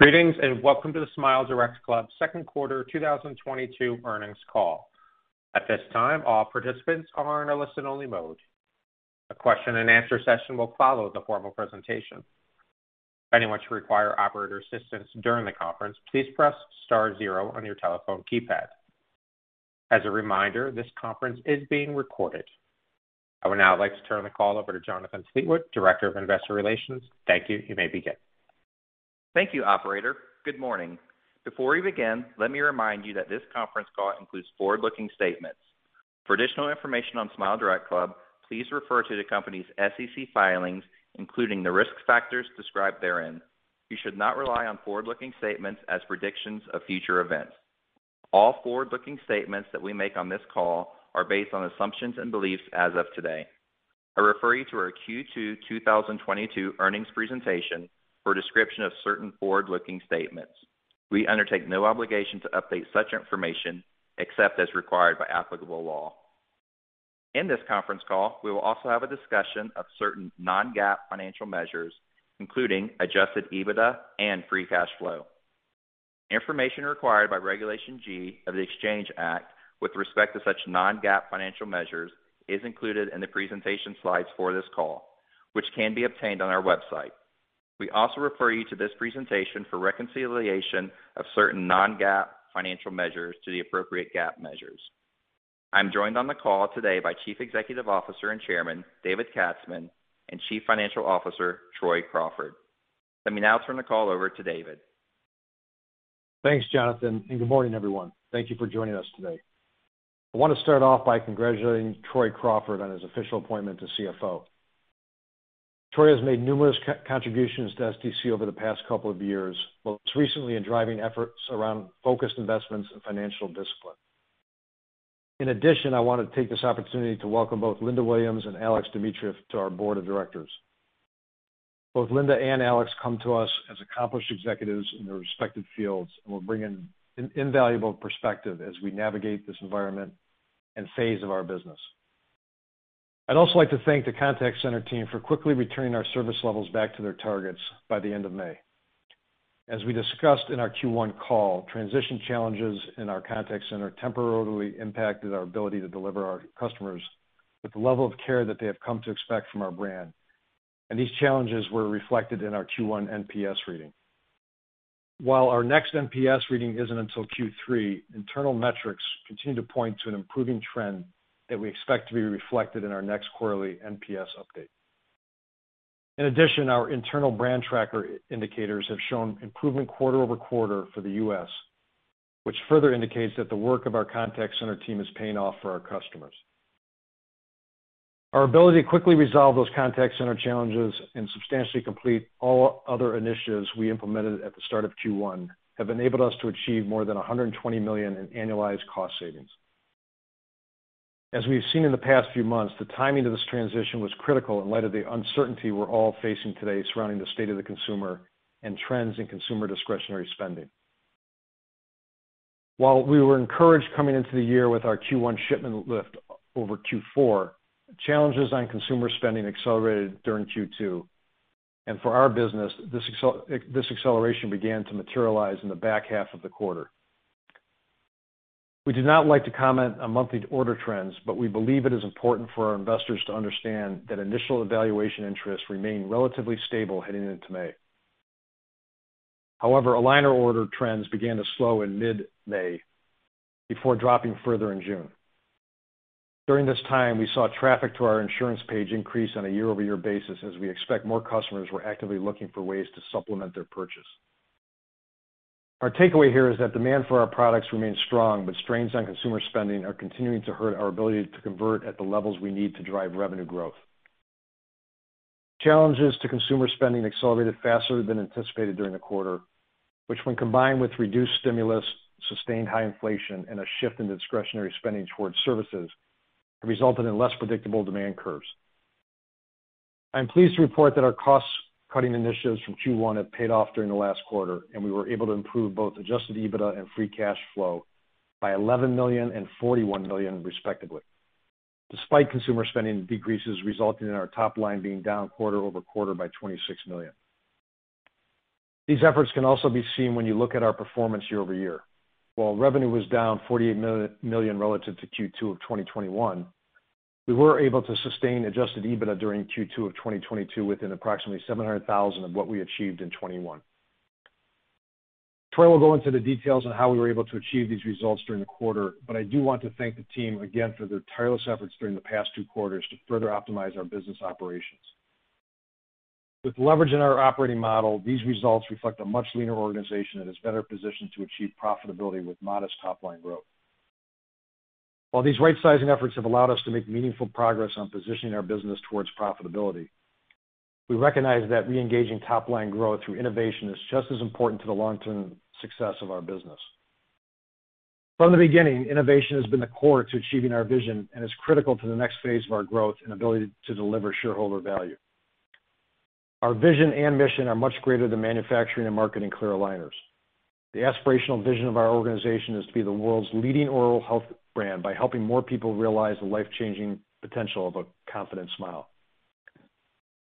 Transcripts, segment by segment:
Greetings, and welcome to the SmileDirectClub second quarter 2022 earnings call. At this time, all participants are in a listen-only mode. a question-and-answer session will follow the formal presentation. Anyone requiring operator assistance during the conference, please press star zero on your telephone keypad. As a reminder, this conference is being recorded. I would now like to turn the call over to Jonathan Fleetwood, Director of Investor Relations. Thank you. You may begin. Thank you, operator. Good morning. Before we begin, let me remind you that this conference call includes forward-looking statements. For additional information on SmileDirectClub, please refer to the company's SEC filings, including the risk factors described therein. You should not rely on forward-looking statements as predictions of future events. All forward-looking statements that we make on this call are based on assumptions and beliefs as of today. I refer you to our Q2 2022 earnings presentation for a description of certain forward-looking statements. We undertake no obligation to update such information except as required by applicable law. In this conference call, we will also have a discussion of certain non-GAAP financial measures, including adjusted EBITDA and free cash flow. Information required by Regulation G of the Exchange Act with respect to such non-GAAP financial measures is included in the presentation slides for this call, which can be obtained on our website. We also refer you to this presentation for reconciliation of certain non-GAAP financial measures to the appropriate GAAP measures. I'm joined on the call today by Chief Executive Officer and Chairman, David Katzman, and Chief Financial Officer, Troy Crawford. Let me now turn the call over to David. Thanks, Jonathan, and good morning, everyone. Thank you for joining us today. I want to start off by congratulating Troy Crawford on his official appointment to CFO. Troy has made numerous contributions to SDC over the past couple of years, most recently in driving efforts around focused investments and financial discipline. In addition, I want to take this opportunity to welcome both Linda Williams and Alex Dimitrief to our Board of Directors. Both Linda and Alex come to us as accomplished executives in their respective fields and will bring an invaluable perspective as we navigate this environment and phase of our business. I'd also like to thank the contact center team for quickly returning our service levels back to their targets by the end of May. As we discussed in our Q1 call, transition challenges in our contact center temporarily impacted our ability to deliver our customers with the level of care that they have come to expect from our brand. These challenges were reflected in our Q1 NPS reading. While our next NPS reading isn't until Q3, internal metrics continue to point to an improving trend that we expect to be reflected in our next quarterly NPS update. In addition, our internal brand tracker indicators have shown improvement quarter-over-quarter for the U.S., which further indicates that the work of our contact center team is paying off for our customers. Our ability to quickly resolve those contact center challenges and substantially complete all other initiatives we implemented at the start of Q1 have enabled us to achieve more than $120 million in annualized cost savings. As we've seen in the past few months, the timing of this transition was critical in light of the uncertainty we're all facing today surrounding the state of the consumer and trends in consumer discretionary spending. While we were encouraged coming into the year with our Q1 shipment lift over Q4, challenges on consumer spending accelerated during Q2. For our business, this acceleration began to materialize in the back half of the quarter. We do not like to comment on monthly order trends, but we believe it is important for our investors to understand that initial evaluation interest remained relatively stable heading into May. However, aligner order trends began to slow in mid-May before dropping further in June. During this time, we saw traffic to our insurance page increase on a year-over-year basis as we expect more customers were actively looking for ways to supplement their purchase. Our takeaway here is that demand for our products remains strong, but strains on consumer spending are continuing to hurt our ability to convert at the levels we need to drive revenue growth. Challenges to consumer spending accelerated faster than anticipated during the quarter, which when combined with reduced stimulus, sustained high inflation, and a shift in discretionary spending towards services, have resulted in less predictable demand curves. I'm pleased to report that our cost-cutting initiatives from Q1 have paid off during the last quarter, and we were able to improve both adjusted EBITDA and free cash flow by $11 million and $41 million, respectively, despite consumer spending decreases resulting in our top line being down quarter-over-quarter by $26 million. These efforts can also be seen when you look at our performance year-over-year. While revenue was down $48 million relative to Q2 of 2021, we were able to sustain adjusted EBITDA during Q2 of 2022 within approximately $700,000 of what we achieved in 2021. Troy will go into the details on how we were able to achieve these results during the quarter, but I do want to thank the team again for their tireless efforts during the past two quarters to further optimize our business operations. With leverage in our operating model, these results reflect a much leaner organization that is better positioned to achieve profitability with modest top line growth. While these right-sizing efforts have allowed us to make meaningful progress on positioning our business towards profitability, we recognize that reengaging top line growth through innovation is just as important to the long-term success of our business. From the beginning, innovation has been the core to achieving our vision and is critical to the next phase of our growth and ability to deliver shareholder value. Our vision and mission are much greater than manufacturing and marketing clear aligners. The aspirational vision of our organization is to be the world's leading oral health brand by helping more people realize the life-changing potential of a confident smile.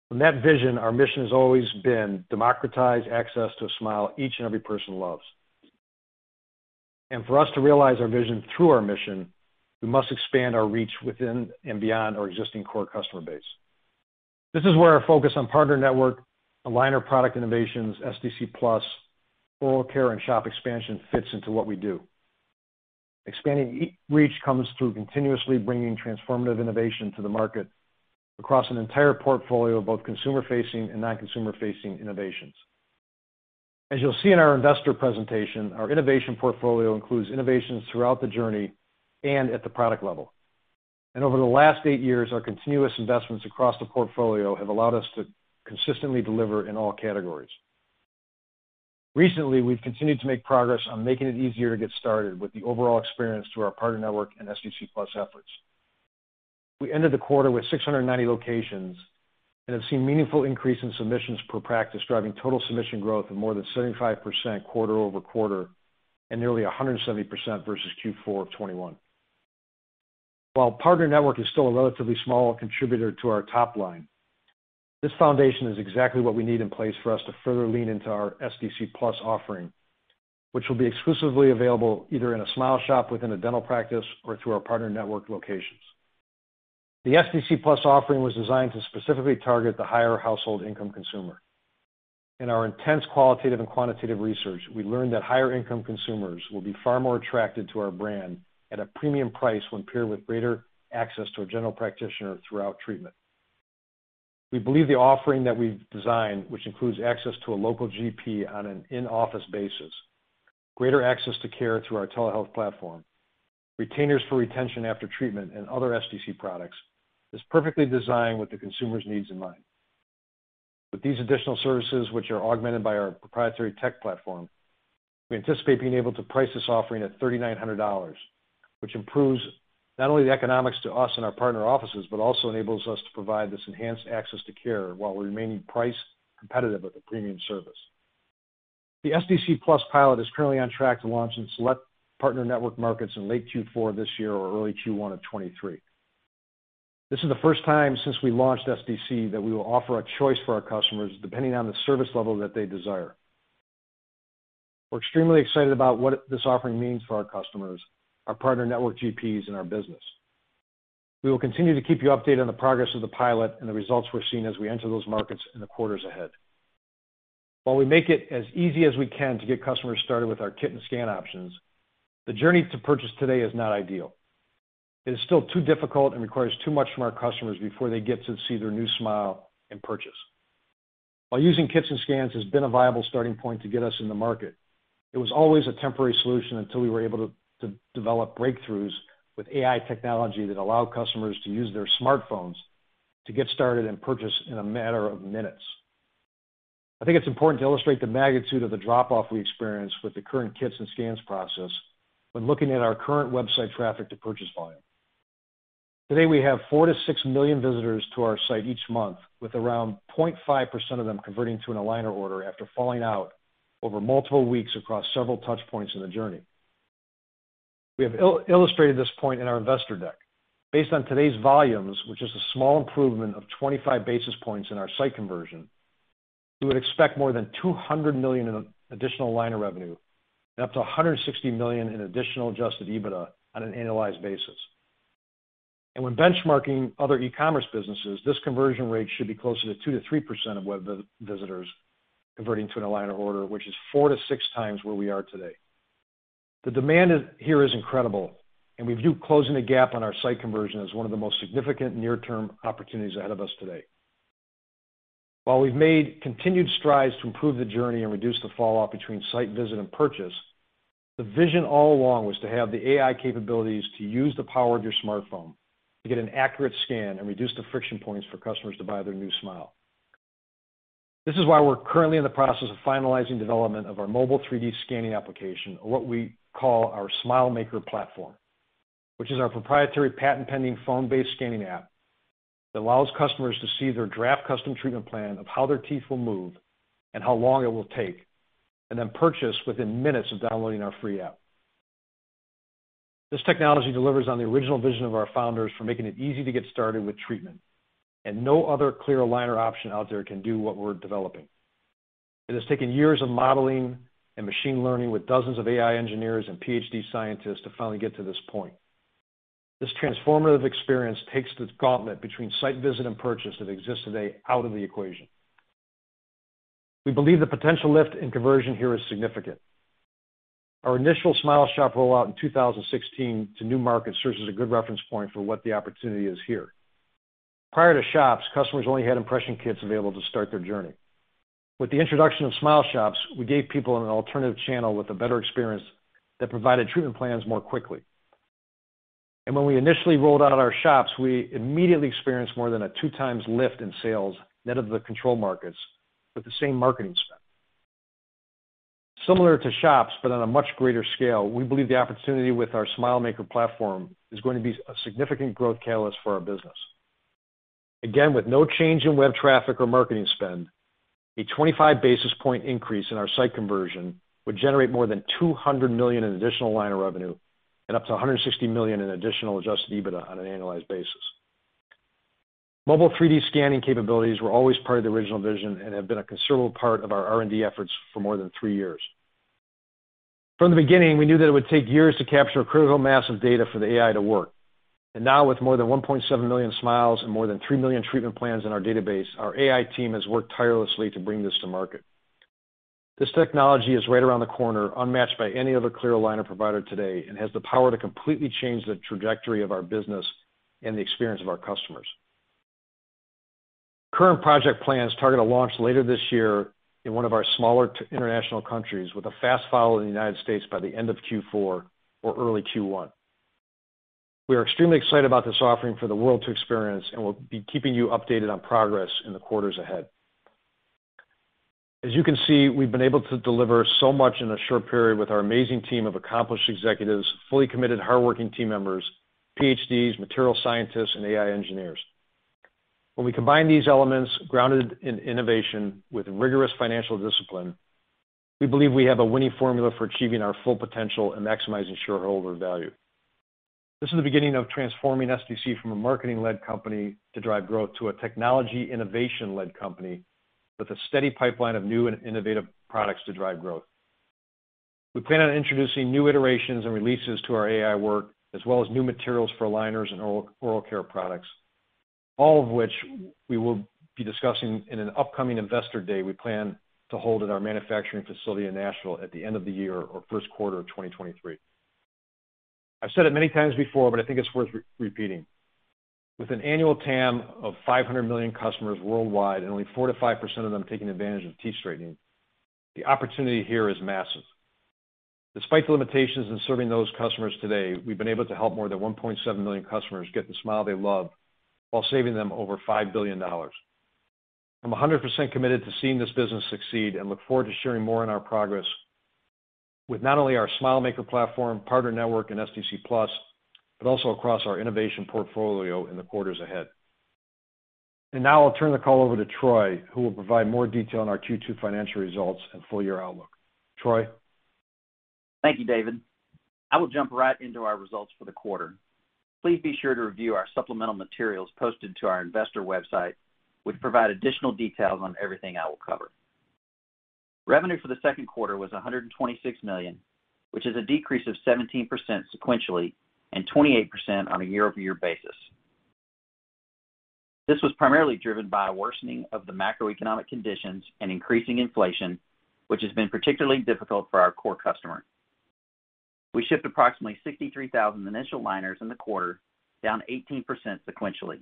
From that vision, our mission has always been to democratize access to a smile each and every person loves. For us to realize our vision through our mission, we must expand our reach within and beyond our existing core customer base. This is where our focus on partner network, aligner product innovations, SDC Plus, oral care, and shop expansion fits into what we do. Expanding our reach comes through continuously bringing transformative innovation to the market across an entire portfolio of both consumer-facing and non-consumer-facing innovations. As you'll see in our investor presentation, our innovation portfolio includes innovations throughout the journey and at the product level. Over the last eight years, our continuous investments across the portfolio have allowed us to consistently deliver in all categories. Recently, we've continued to make progress on making it easier to get started with the overall experience through our partner network and SDC Plus efforts. We ended the quarter with 690 locations and have seen meaningful increase in submissions per practice, driving total submission growth of more than 75% quarter-over-quarter and nearly 170% versus Q4 of 2021. While partner network is still a relatively small contributor to our top line, this foundation is exactly what we need in place for us to further lean into our CarePlus offering, which will be exclusively available either in a SmileShop within a dental practice or through our partner network locations. The CarePlus offering was designed to specifically target the higher household income consumer. In our intense qualitative and quantitative research, we learned that higher income consumers will be far more attracted to our brand at a premium price when paired with greater access to a general practitioner throughout treatment. We believe the offering that we've designed, which includes access to a local GP on an in-office basis, greater access to care through our telehealth platform, retainers for retention after treatment and other SDC products, is perfectly designed with the consumer's needs in mind. With these additional services, which are augmented by our proprietary tech platform, we anticipate being able to price this offering at $3,900, which improves not only the economics to us and our partner offices, but also enables us to provide this enhanced access to care while remaining price competitive with the premium service. The SDC Plus pilot is currently on track to launch in select partner network markets in late Q4 this year or early Q1 of 2023. This is the first time since we launched SDC that we will offer a choice for our customers depending on the service level that they desire. We're extremely excited about what this offering means for our customers, our partner network GPs, and our business. We will continue to keep you updated on the progress of the pilot and the results we're seeing as we enter those markets in the quarters ahead. While we make it as easy as we can to get customers started with our kit and scan options, the journey to purchase today is not ideal. It is still too difficult and requires too much from our customers before they get to see their new smile and purchase. While using kits and scans has been a viable starting point to get us in the market, it was always a temporary solution until we were able to develop breakthroughs with AI technology that allow customers to use their smartphones to get started and purchase in a matter of minutes. I think it's important to illustrate the magnitude of the drop-off we experience with the current kits and scans process when looking at our current website traffic to purchase volume. Today, we have 4 million to 6 million visitors to our site each month, with around 0.5% of them converting to an aligner order after falling out over multiple weeks across several touch points in the journey. We have well-illustrated this point in our investor deck. Based on today's volumes, which is a small improvement of 25 basis points in our site conversion, we would expect more than $200 million in additional aligner revenue and up to $160 million in additional adjusted EBITDA on an annualized basis. When benchmarking other e-commerce businesses, this conversion rate should be closer to 2% to 3% of web visitors converting to an aligner order, which is 4-6 times where we are today. The demand here is incredible, and we view closing the gap on our site conversion as one of the most significant near-term opportunities ahead of us today. While we've made continued strides to improve the journey and reduce the fallout between site visit and purchase, the vision all along was to have the AI capabilities to use the power of your smartphone to get an accurate scan and reduce the friction points for customers to buy their new smile. This is why we're currently in the process of finalizing development of our mobile 3D scanning application, or what we call our SmileMaker platform, which is our proprietary patent-pending phone-based scanning app that allows customers to see their draft custom treatment plan of how their teeth will move and how long it will take, and then purchase within minutes of downloading our free app. This technology delivers on the original vision of our founders for making it easy to get started with treatment, and no other clear aligner option out there can do what we're developing. It has taken years of modeling and machine learning with dozens of AI engineers and PhD scientists to finally get to this point. This transformative experience takes the gauntlet between site visit and purchase that exists today out of the equation. We believe the potential lift in conversion here is significant. Our initial SmileShop rollout in 2016 to new markets serves as a good reference point for what the opportunity is here. Prior to shops, customers only had impression kits available to start their journey. With the introduction of SmileShops, we gave people an alternative channel with a better experience that provided treatment plans more quickly. When we initially rolled out our shops, we immediately experienced more than a 2x lift in sales net of the control markets with the same marketing spend. Similar to shops, but on a much greater scale, we believe the opportunity with our SmileMaker platform is going to be a significant growth catalyst for our business. Again, with no change in web traffic or marketing spend. A 25 basis point increase in our site conversion would generate more than $200 million in additional aligner revenue and up to $160 million in additional adjusted EBITDA on an annualized basis. Mobile 3D scanning capabilities were always part of the original vision and have been a considerable part of our R&D efforts for more than 3 years. From the beginning, we knew that it would take years to capture a critical mass of data for the AI to work. Now with more than 1.7 million smiles and more than 3 million treatment plans in our database, our AI team has worked tirelessly to bring this to market. This technology is right around the corner, unmatched by any other clear aligner provider today, and has the power to completely change the trajectory of our business and the experience of our customers. Current project plans target a launch later this year in one of our smaller international countries with a fast follow in the United States by the end of Q4 or early Q1. We are extremely excited about this offering for the world to experience, and we'll be keeping you updated on progress in the quarters ahead. As you can see, we've been able to deliver so much in a short period with our amazing team of accomplished executives, fully committed, hardworking team members, PhDs, material scientists, and AI engineers. When we combine these elements grounded in innovation with rigorous financial discipline, we believe we have a winning formula for achieving our full potential and maximizing shareholder value. This is the beginning of transforming SDC from a marketing-led company to drive growth to a technology innovation-led company with a steady pipeline of new and innovative products to drive growth. We plan on introducing new iterations and releases to our AI work, as well as new materials for aligners and oral care products, all of which we will be discussing in an upcoming investor day we plan to hold at our manufacturing facility in Nashville at the end of the year or first quarter of 2023. I've said it many times before, but I think it's worth repeating. With an annual TAM of 500 million customers worldwide and only 4% to 5% of them taking advantage of teeth straightening, the opportunity here is massive. Despite the limitations in serving those customers today, we've been able to help more than 1.7 million customers get the smile they love while saving them over $5 billion. I'm 100% committed to seeing this business succeed and look forward to sharing more on our progress with not only our SmileMaker platform, partner network, and SDC Plus, but also across our innovation portfolio in the quarters ahead. Now I'll turn the call over to Troy, who will provide more detail on our Q2 financial results and full year outlook. Troy? Thank you, David. I will jump right into our results for the quarter. Please be sure to review our supplemental materials posted to our investor website, which provide additional details on everything I will cover. Revenue for the second quarter was $126 million, which is a decrease of 17.0% sequentially and 28% on a year-over-year basis. This was primarily driven by a worsening of the macroeconomic conditions and increasing inflation, which has been particularly difficult for our core customer. We shipped approximately 63,000 initial aligners in the quarter, down 18% sequentially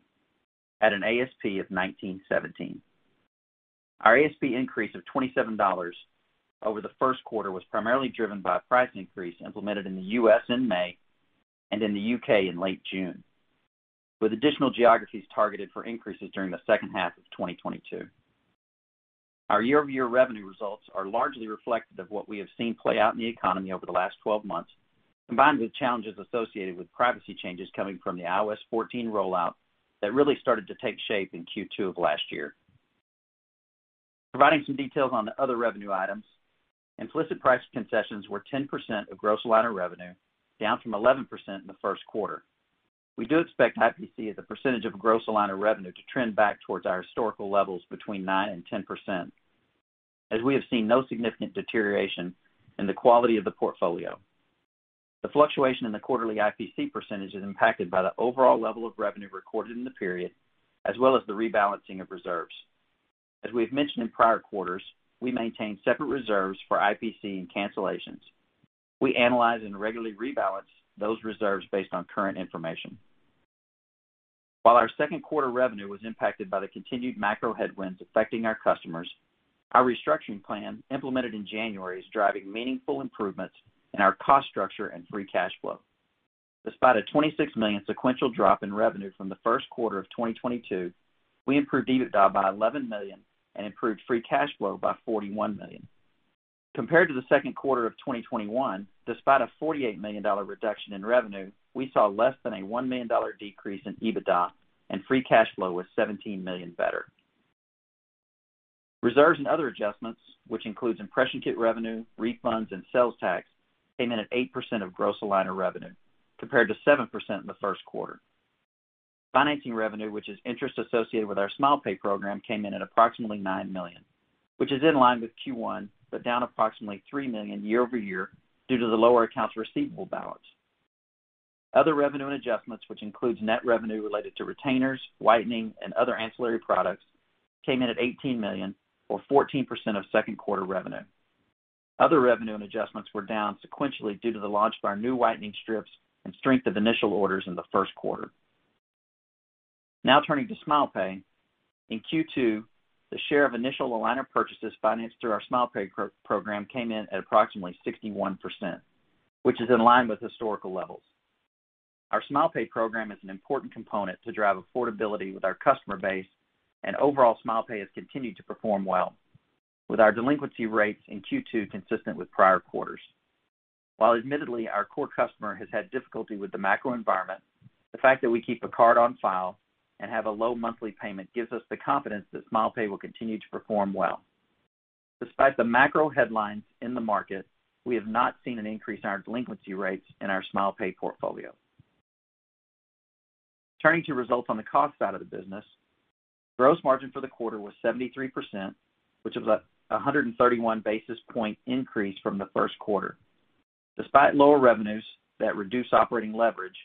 at an ASP of $1,917. Our ASP increase of $27 over the first quarter was primarily driven by a price increase implemented in the U.S. in May and in the U.K. in late June, with additional geographies targeted for increases during the second half of 2022. Our year-over-year revenue results are largely reflective of what we have seen play out in the economy over the last 12 months, combined with challenges associated with privacy changes coming from the iOS 14 rollout that really started to take shape in Q2 of last year. Providing some details on the other revenue items, implicit price concessions were 10% of gross aligner revenue, down from 11% in the first quarter. We do expect IPC as a percentage of gross aligner revenue to trend back towards our historical levels between 9% and 10%, as we have seen no significant deterioration in the quality of the portfolio. The fluctuation in the quarterly IPC percentage is impacted by the overall level of revenue recorded in the period, as well as the rebalancing of reserves. As we have mentioned in prior quarters, we maintain separate reserves for IPC and cancellations. We analyze and regularly rebalance those reserves based on current information. While our second quarter revenue was impacted by the continued macro headwinds affecting our customers, our restructuring plan implemented in January is driving meaningful improvements in our cost structure and free cash flow. Despite a $26 million sequential drop in revenue from the first quarter of 2022, we improved EBITDA by $11 million and improved free cash flow by $41 million. Compared to the second quarter of 2021, despite a $48 million reduction in revenue, we saw less than a $1 million decrease in EBITDA, and free cash flow was $17 million better. Reserves and other adjustments, which includes impression kit revenue, refunds, and sales tax, came in at 8% of gross aligner revenue compared to 7% in the first quarter. Financing revenue, which is interest associated with our SmilePay program, came in at approximately $9.0 Million, which is in line with Q1, but down approximately $3 million year-over-year due to the lower accounts receivable balance. Other revenue and adjustments, which includes net revenue related to retainers, whitening, and other ancillary products, came in at $18 million or 14% of second quarter revenue. Other revenue and adjustments were down sequentially due to the launch of our new whitening strips and strength of initial orders in the first quarter. Now turning to SmilePay. In Q2, the share of initial aligner purchases financed through our SmilePay program came in at approximately 61%, which is in line with historical levels. Our SmilePay program is an important component to drive affordability with our customer base, and overall, SmilePay has continued to perform well, with our delinquency rates in Q2 consistent with prior quarters. While admittedly, our core customer has had difficulty with the macro environment, the fact that we keep a card on file and have a low monthly payment gives us the confidence that SmilePay will continue to perform well. Despite the macro headlines in the market, we have not seen an increase in our delinquency rates in our SmilePay portfolio. Turning to results on the cost side of the business. Gross margin for the quarter was 73%, which is a 131 basis point increase from the first quarter. Despite lower revenues that reduce operating leverage,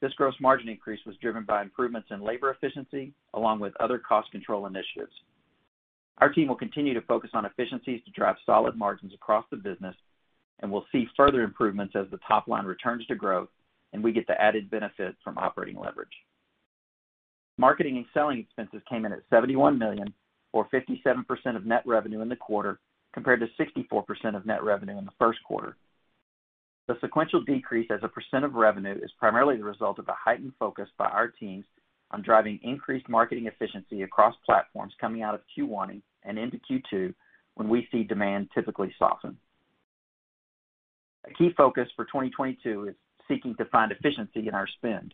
this gross margin increase was driven by improvements in labor efficiency along with other cost control initiatives. Our team will continue to focus on efficiencies to drive solid margins across the business, and we'll see further improvements as the top line returns to growth and we get the added benefit from operating leverage. Marketing and selling expenses came in at $71 million or 57% of net revenue in the quarter compared to 64% of net revenue in the first quarter. The sequential decrease as a percent of revenue is primarily the result of a heightened focus by our teams on driving increased marketing efficiency across platforms coming out of Q1 and into Q2, when we see demand typically soften. A key focus for 2022 is seeking to find efficiency in our spend.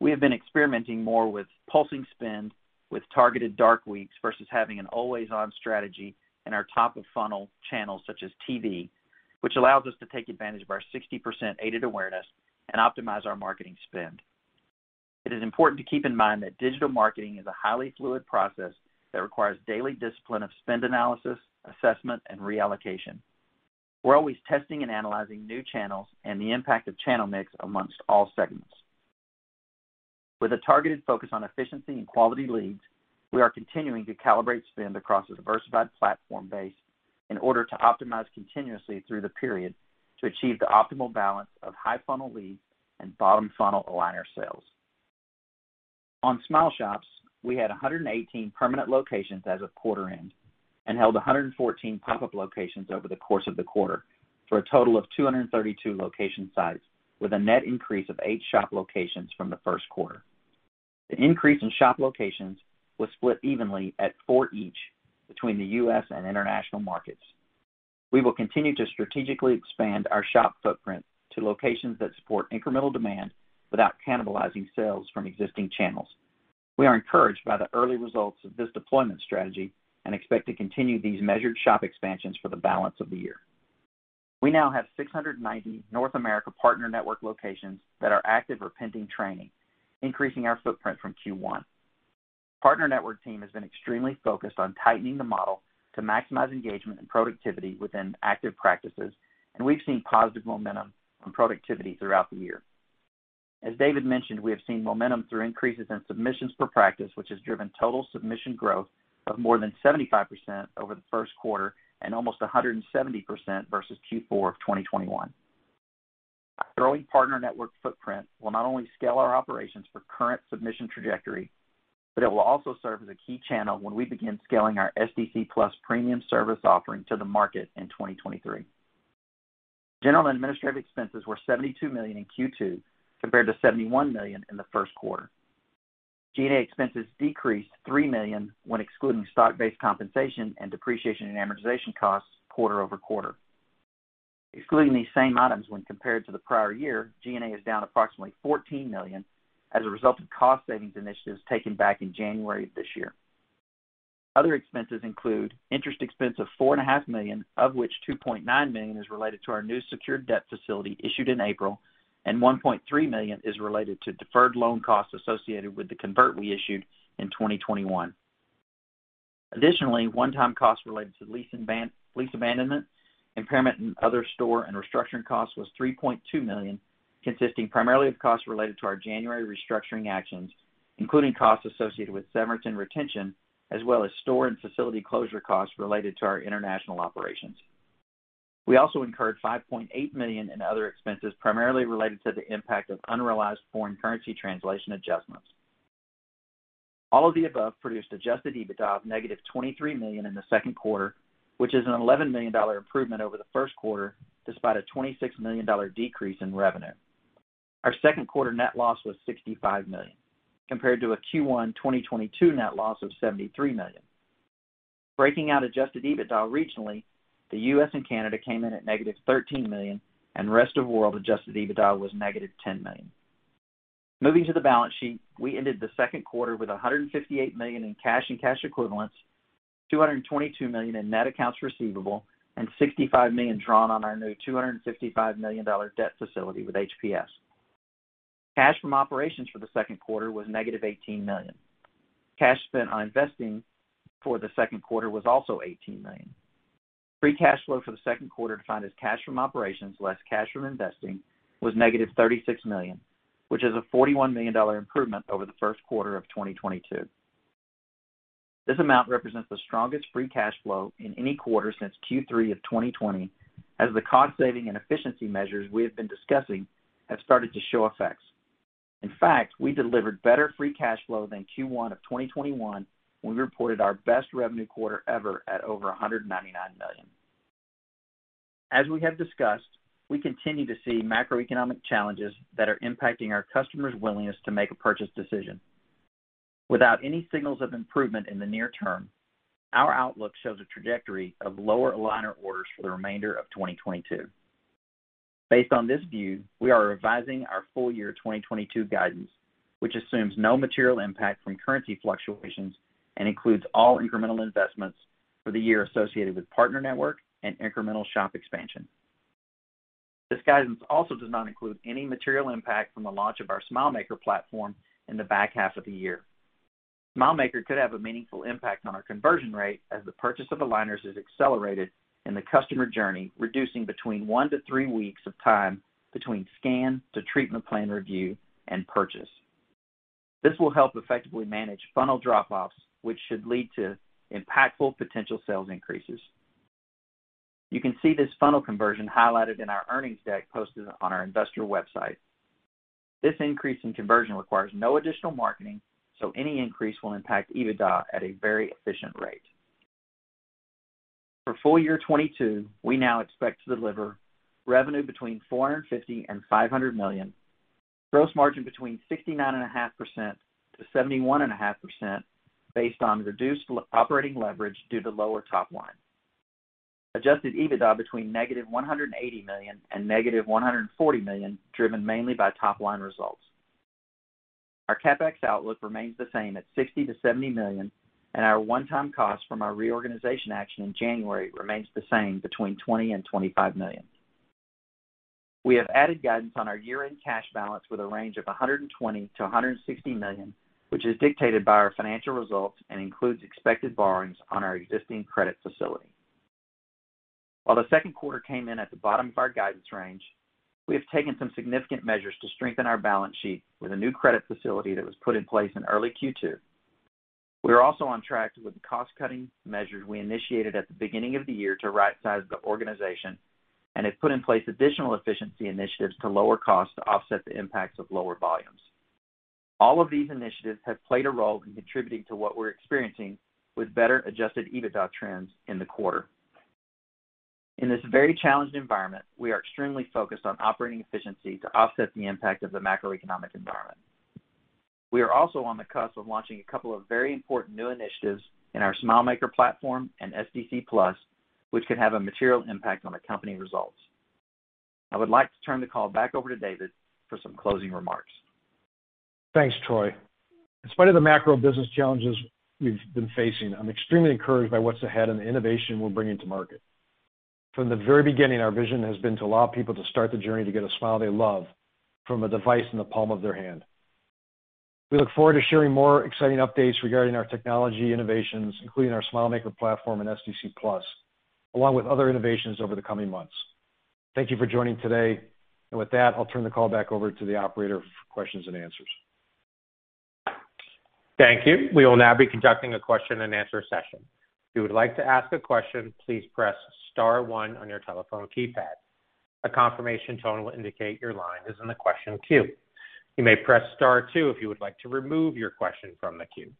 We have been experimenting more with pulsing spend, with targeted dark weeks versus having an always-on strategy in our top-of-funnel channels such as TV, which allows us to take advantage of our 60% aided awareness and optimize our marketing spend. It is important to keep in mind that digital marketing is a highly fluid process that requires daily discipline of spend analysis, assessment, and reallocation. We're always testing and analyzing new channels and the impact of channel mix amongst all segments. With a targeted focus on efficiency and quality leads, we are continuing to calibrate spend across a diversified platform base in order to optimize continuously through the period to achieve the optimal balance of high funnel leads and bottom funnel aligner sales. On SmileShops, we had 118 permanent locations as of quarter end and held 114 pop-up locations over the course of the quarter, for a total of 232 location sites, with a net increase of 8 shop locations from the first quarter. The increase in shop locations was split evenly at 4 each between the U.S. and international markets. We will continue to strategically expand our shop footprint to locations that support incremental demand without cannibalizing sales from existing channels. We are encouraged by the early results of this deployment strategy and expect to continue these measured shop expansions for the balance of the year. We now have 690 North America partner network locations that are active or pending training, increasing our footprint from Q1. Partner network team has been extremely focused on tightening the model to maximize engagement and productivity within active practices, and we've seen positive momentum on productivity throughout the year. As David mentioned, we have seen momentum through increases in submissions per practice, which has driven total submission growth of more than 75% over the first quarter and almost 170% versus Q4 of 2021. Our growing partner network footprint will not only scale our operations for current submission trajectory, but it will also serve as a key channel when we begin scaling our SDC Plus premium service offering to the market in 2023. General and administrative expenses were $72 million in Q2, compared to $71 million in the first quarter. G&A expenses decreased $3 million when excluding stock-based compensation and depreciation and amortization costs quarter-over-quarter. Excluding these same items when compared to the prior year, G&A is down approximately $14 million as a result of cost savings initiatives taken back in January of this year. Other expenses include interest expense of $4.5 million, of which $2.9 million is related to our new secured debt facility issued in April, and $1.3 million is related to deferred loan costs associated with the convert we issued in 2021. Additionally, one-time costs related to lease abandonment, impairment and other store and restructuring costs was $3.2 million, consisting primarily of costs related to our January restructuring actions, including costs associated with severance and retention, as well as store and facility closure costs related to our international operations. We also incurred $5.8 million in other expenses, primarily related to the impact of unrealized foreign currency translation adjustments. All of the above produced adjusted EBITDA of -$23 million in the second quarter, which is an $11 million improvement over the first quarter, despite a $26 million decrease in revenue. Our second quarter net loss was $65 million, compared to a Q1 2022 net loss of $73 million. Breaking out adjusted EBITDA regionally, the U.S. and Canada came in at -$13 million, and rest of world adjusted EBITDA was -$10 million. Moving to the balance sheet, we ended the second quarter with $158 million in cash and cash equivalents, $222 million in net accounts receivable, and $65 million drawn on our new $255 million debt facility with HPS. Cash from operations for the second quarter was -$18 million. Cash spent on investing for the second quarter was also $18 million. Free cash flow for the second quarter, defined as cash from operations less cash from investing, was -$36 million, which is a $41 million improvement over the first quarter of 2022. This amount represents the strongest free cash flow in any quarter since Q3 of 2020, as the cost saving and efficiency measures we have been discussing have started to show effects. In fact, we delivered better free cash flow than Q1 of 2021 when we reported our best revenue quarter ever at over $199 million. As we have discussed, we continue to see macroeconomic challenges that are impacting our customers' willingness to make a purchase decision. Without any signals of improvement in the near term, our outlook shows a trajectory of lower aligner orders for the remainder of 2022. Based on this view, we are revising our full year 2022 guidance, which assumes no material impact from currency fluctuations and includes all incremental investments for the year associated with partner network and incremental shop expansion. This guidance also does not include any material impact from the launch of our SmileMaker platform in the back half of the year. SmileMaker could have a meaningful impact on our conversion rate as the purchase of aligners is accelerated in the customer journey, reducing between 1 to 3 weeks of time between scan to treatment plan review and purchase. This will help effectively manage funnel drop-offs, which should lead to impactful potential sales increases. You can see this funnel conversion highlighted in our earnings deck posted on our investor website. This increase in conversion requires no additional marketing, so any increase will impact EBITDA at a very efficient rate. For full year 2022, we now expect to deliver revenue between $450 million and $500 million, gross margin between 69.5% to 71.5% based on reduced operating leverage due to lower top line. Adjusted EBITDA between -$180 million to -$140 million, driven mainly by top line results. Our CapEx outlook remains the same at $60 million to $70 million, and our one-time cost from our reorganization action in January remains the same between $20 million and $25 million. We have added guidance on our year-end cash balance with a range of $120 million to $160 million, which is dictated by our financial results and includes expected borrowings on our existing credit facility. While the second quarter came in at the bottom of our guidance range, we have taken some significant measures to strengthen our balance sheet with a new credit facility that was put in place in early Q2. We are also on track with the cost-cutting measures we initiated at the beginning of the year to rightsize the organization and have put in place additional efficiency initiatives to lower costs to offset the impacts of lower volumes. All of these initiatives have played a role in contributing to what we're experiencing with better adjusted EBITDA trends in the quarter. In this very challenged environment, we are extremely focused on operating efficiency to offset the impact of the macroeconomic environment. We are also on the cusp of launching a couple of very important new initiatives in our SmileMaker platform and SDC Plus, which could have a material impact on the company results. I would like to turn the call back over to David for some closing remarks. Thanks, Troy. In spite of the macro business challenges we've been facing, I'm extremely encouraged by what's ahead and the innovation we're bringing to market. From the very beginning, our vision has been to allow people to start the journey to get a smile they love from a device in the palm of their hand. We look forward to sharing more exciting updates regarding our technology innovations, including our SmileMaker platform and SDC Plus, along with other innovations over the coming months. Thank you for joining today. With that, I'll turn the call back over to the operator for questions and answers. Thank you. We will now be conducting a question-and-answer session. If you would like to ask a question, please press star one on your telephone keypad. A confirmation tone will indicate your line is in the question queue. You may press star two if you would like to remove your question from the queue.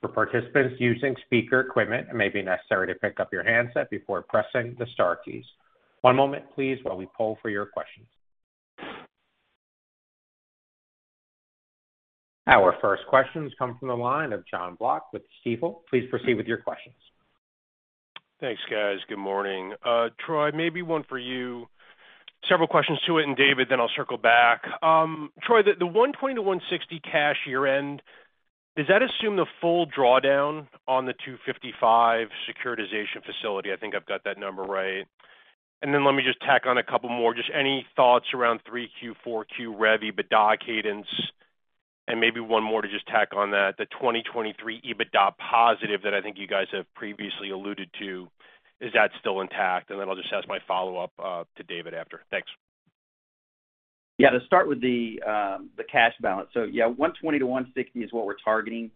For participants using speaker equipment, it may be necessary to pick up your handset before pressing the star keys. One moment please while we poll for your questions. Our first questions come from the line of Jon Block with Stifel. Please proceed with your questions. Thanks, guys. Good morning. Troy, maybe one for you. Several questions to it, and David, then I'll circle back. Troy, the $1.160 cash year-end, does that assume the full drawdown on the $255 securitization facility? I think I've got that number right. Let me just tack on a couple more. Just any thoughts around 3Q, 4Q rev EBITDA cadence? Maybe one more to just tack on that, the 2023 EBITDA positive that I think you guys have previously alluded to, is that still intact? I'll just ask my follow-up to David after. Thanks. Yeah. To start with the cash balance. Yeah, $120 million to $160 million is what we're targeting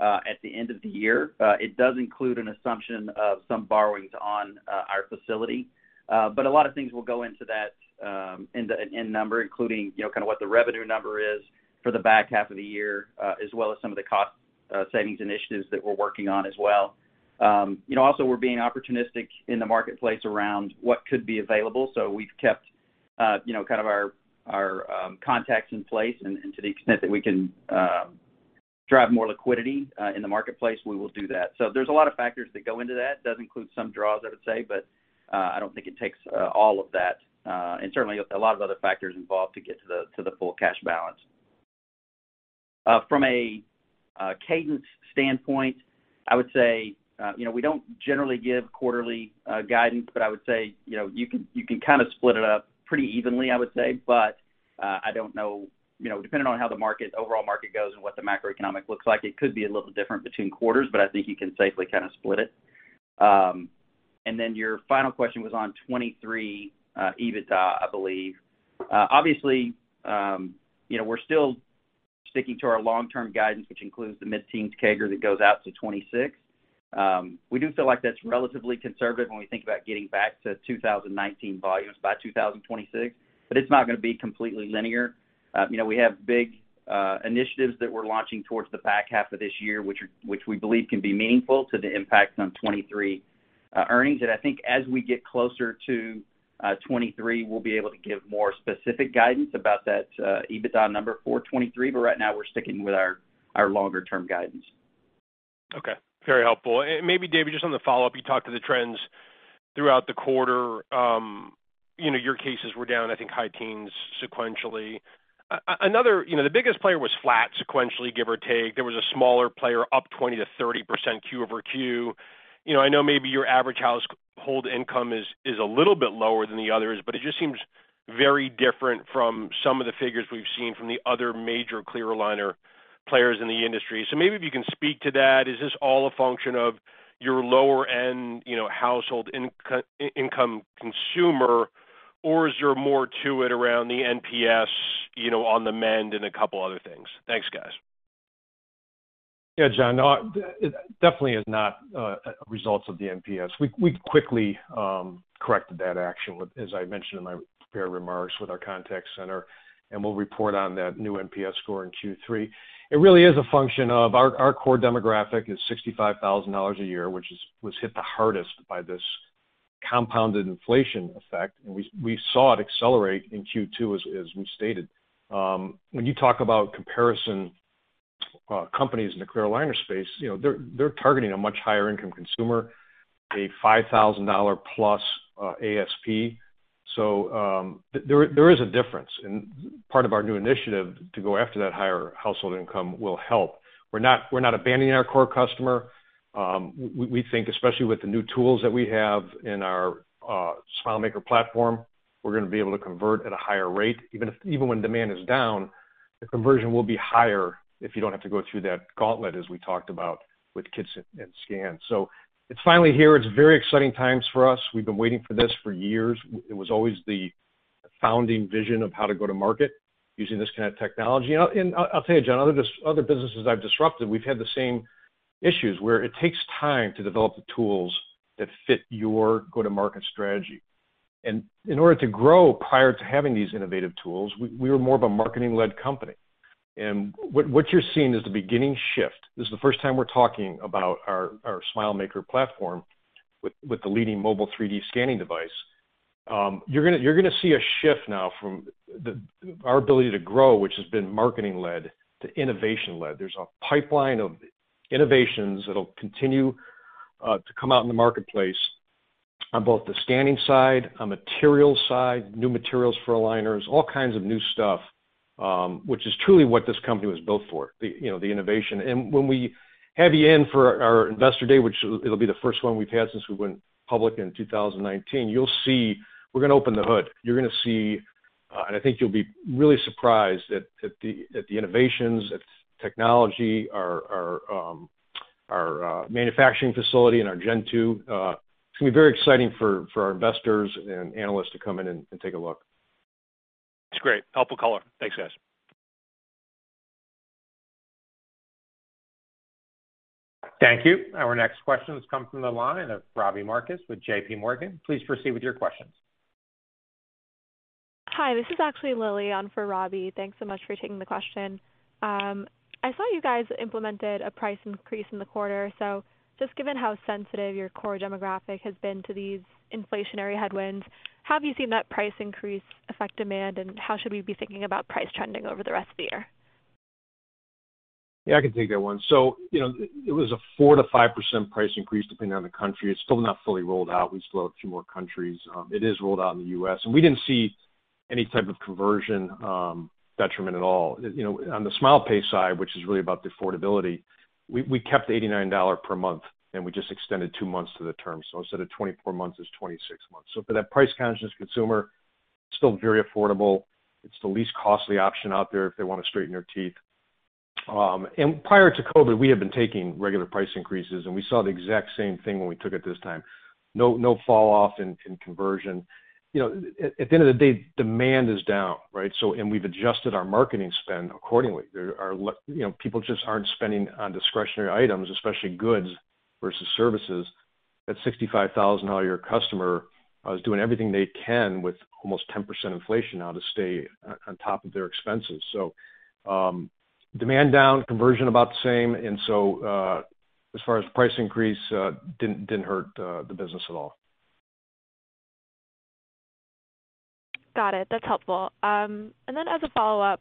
at the end of the year. It does include an assumption of some borrowings on our facility. A lot of things will go into that number, including, you know, kind of what the revenue number is for the back half of the year, as well as some of the cost savings initiatives that we're working on as well. You know, also we're being opportunistic in the marketplace around what could be available. We've kept, you know, kind of our contacts in place and to the extent that we can drive more liquidity in the marketplace, we will do that. There's a lot of factors that go into that. It does include some draws, I would say, but I don't think it takes all of that and certainly a lot of other factors involved to get to the full cash balance. From a cadence standpoint, I would say you know, we don't generally give quarterly guidance, but I would say you know, you can kind of split it up pretty evenly, I would say. I don't know, you know, depending on how the overall market goes and what the macroeconomic looks like, it could be a little different between quarters, but I think you can safely kind of split it. Your final question was on 2023 EBITDA, I believe. Obviously, you know, we're still sticking to our long-term guidance, which includes the mid-teens CAGR that goes out to 2026. We do feel like that's relatively conservative when we think about getting back to 2019 volumes by 2026, but it's not gonna be completely linear. You know, we have big initiatives that we're launching towards the back half of this year, which we believe can be meaningful to the impacts on 2023. Earnings, and I think as we get closer to 2023, we'll be able to give more specific guidance about that EBITDA number for 2023. Right now we're sticking with our longer-term guidance. Okay. Very helpful. And maybe David, just on the follow-up, you talked to the trends throughout the quarter. You know, your cases were down, I think, high teens sequentially. Another, you know, the biggest player was flat sequentially, give or take. There was a smaller player up 20% to 30% quarter-over-quarter. You know, I know maybe your average household income is a little bit lower than the others, but it just seems very different from some of the figures we've seen from the other major clear aligner players in the industry. Maybe if you can speak to that. Is this all a function of your lower-end, you know, household income consumer, or is there more to it around the NPS, you know, on the mend and a couple other things? Thanks, guys. Yeah, John. No, it definitely is not results of the NPS. We quickly corrected that action with, as I mentioned in my prepared remarks with our contact center, and we'll report on that new NPS score in Q3. It really is a function of our core demographic is $65,000 a year, which was hit the hardest by this compounded inflation effect, and we saw it accelerate in Q2 as we stated. When you talk about comparison companies in the clear aligner space, you know, they're targeting a much higher income consumer, a $5,000 plus ASP. So, there is a difference. Part of our new initiative to go after that higher household income will help. We're not abandoning our core customer. We think, especially with the new tools that we have in our SmileMaker platform, we're gonna be able to convert at a higher rate. Even when demand is down, the conversion will be higher if you don't have to go through that gauntlet as we talked about with kits and scans. It's finally here. It's very exciting times for us. We've been waiting for this for years. It was always the founding vision of how to go to market using this kind of technology. I'll tell you, Jon, other businesses I've disrupted, we've had the same issues where it takes time to develop the tools that fit your go-to-market strategy. In order to grow prior to having these innovative tools, we were more of a marketing-led company. What you're seeing is the beginning shift. This is the first time we're talking about our SmileMaker platform with the leading mobile 3D scanning device. You're gonna see a shift now from our ability to grow, which has been marketing-led to innovation-led. There's a pipeline of innovations that'll continue to come out in the marketplace on both the scanning side, on material side, new materials for aligners, all kinds of new stuff, which is truly what this company was built for, you know, the innovation. When we have you in for our investor day, which it'll be the first one we've had since we went public in 2019, you'll see we're gonna open the hood. You're gonna see, and I think you'll be really surprised at the innovations, at the technology, our manufacturing facility and our Gen 2. It's gonna be very exciting for our investors and analysts to come in and take a look. That's great. Helpful color. Thanks, guys. Thank you. Our next question has come from the line of Robbie Marcus with JPMorgan. Please proceed with your questions. Hi, this is actually Lilia on for Robbie. Thanks so much for taking the question. I saw you guys implemented a price increase in the quarter. Just given how sensitive your core demographic has been to these inflationary headwinds, have you seen that price increase affect demand, and how should we be thinking about price trending over the rest of the year? Yeah, I can take that one. You know, it was a 4%-5% price increase depending on the country. It's still not fully rolled out. We still have a few more countries. It is rolled out in the U.S. We didn't see any type of conversion detriment at all. You know, on the SmilePay side, which is really about the affordability, we kept $89 per month and we just extended 2 months to the term. Instead of 24 months, it's 26 months. For that price-conscious consumer, still very affordable. It's the least costly option out there if they wanna straighten their teeth. Prior to COVID, we have been taking regular price increases, and we saw the exact same thing when we took it this time. No fall off in conversion. You know, at the end of the day, demand is down, right? We've adjusted our marketing spend accordingly. You know, people just aren't spending on discretionary items, especially goods versus services. That $65,000-a-year customer is doing everything they can with almost 10% inflation now to stay on top of their expenses. Demand down, conversion about the same. As far as price increase, didn't hurt the business at all. Got it. That's helpful. As a follow-up,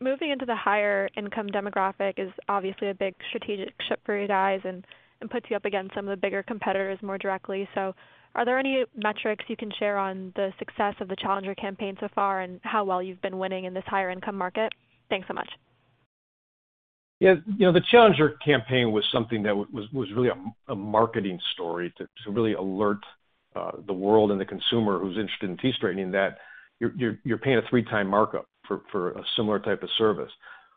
moving into the higher income demographic is obviously a big strategic shift for you guys and puts you up against some of the bigger competitors more directly. Are there any metrics you can share on the success of the Challenger campaign so far and how well you've been winning in this higher income market? Thanks so much. Yeah. You know, the Challenger campaign was something that was really a marketing story to really alert the world and the consumer who's interested in teeth straightening that you're paying a 3-time markup for a similar type of service.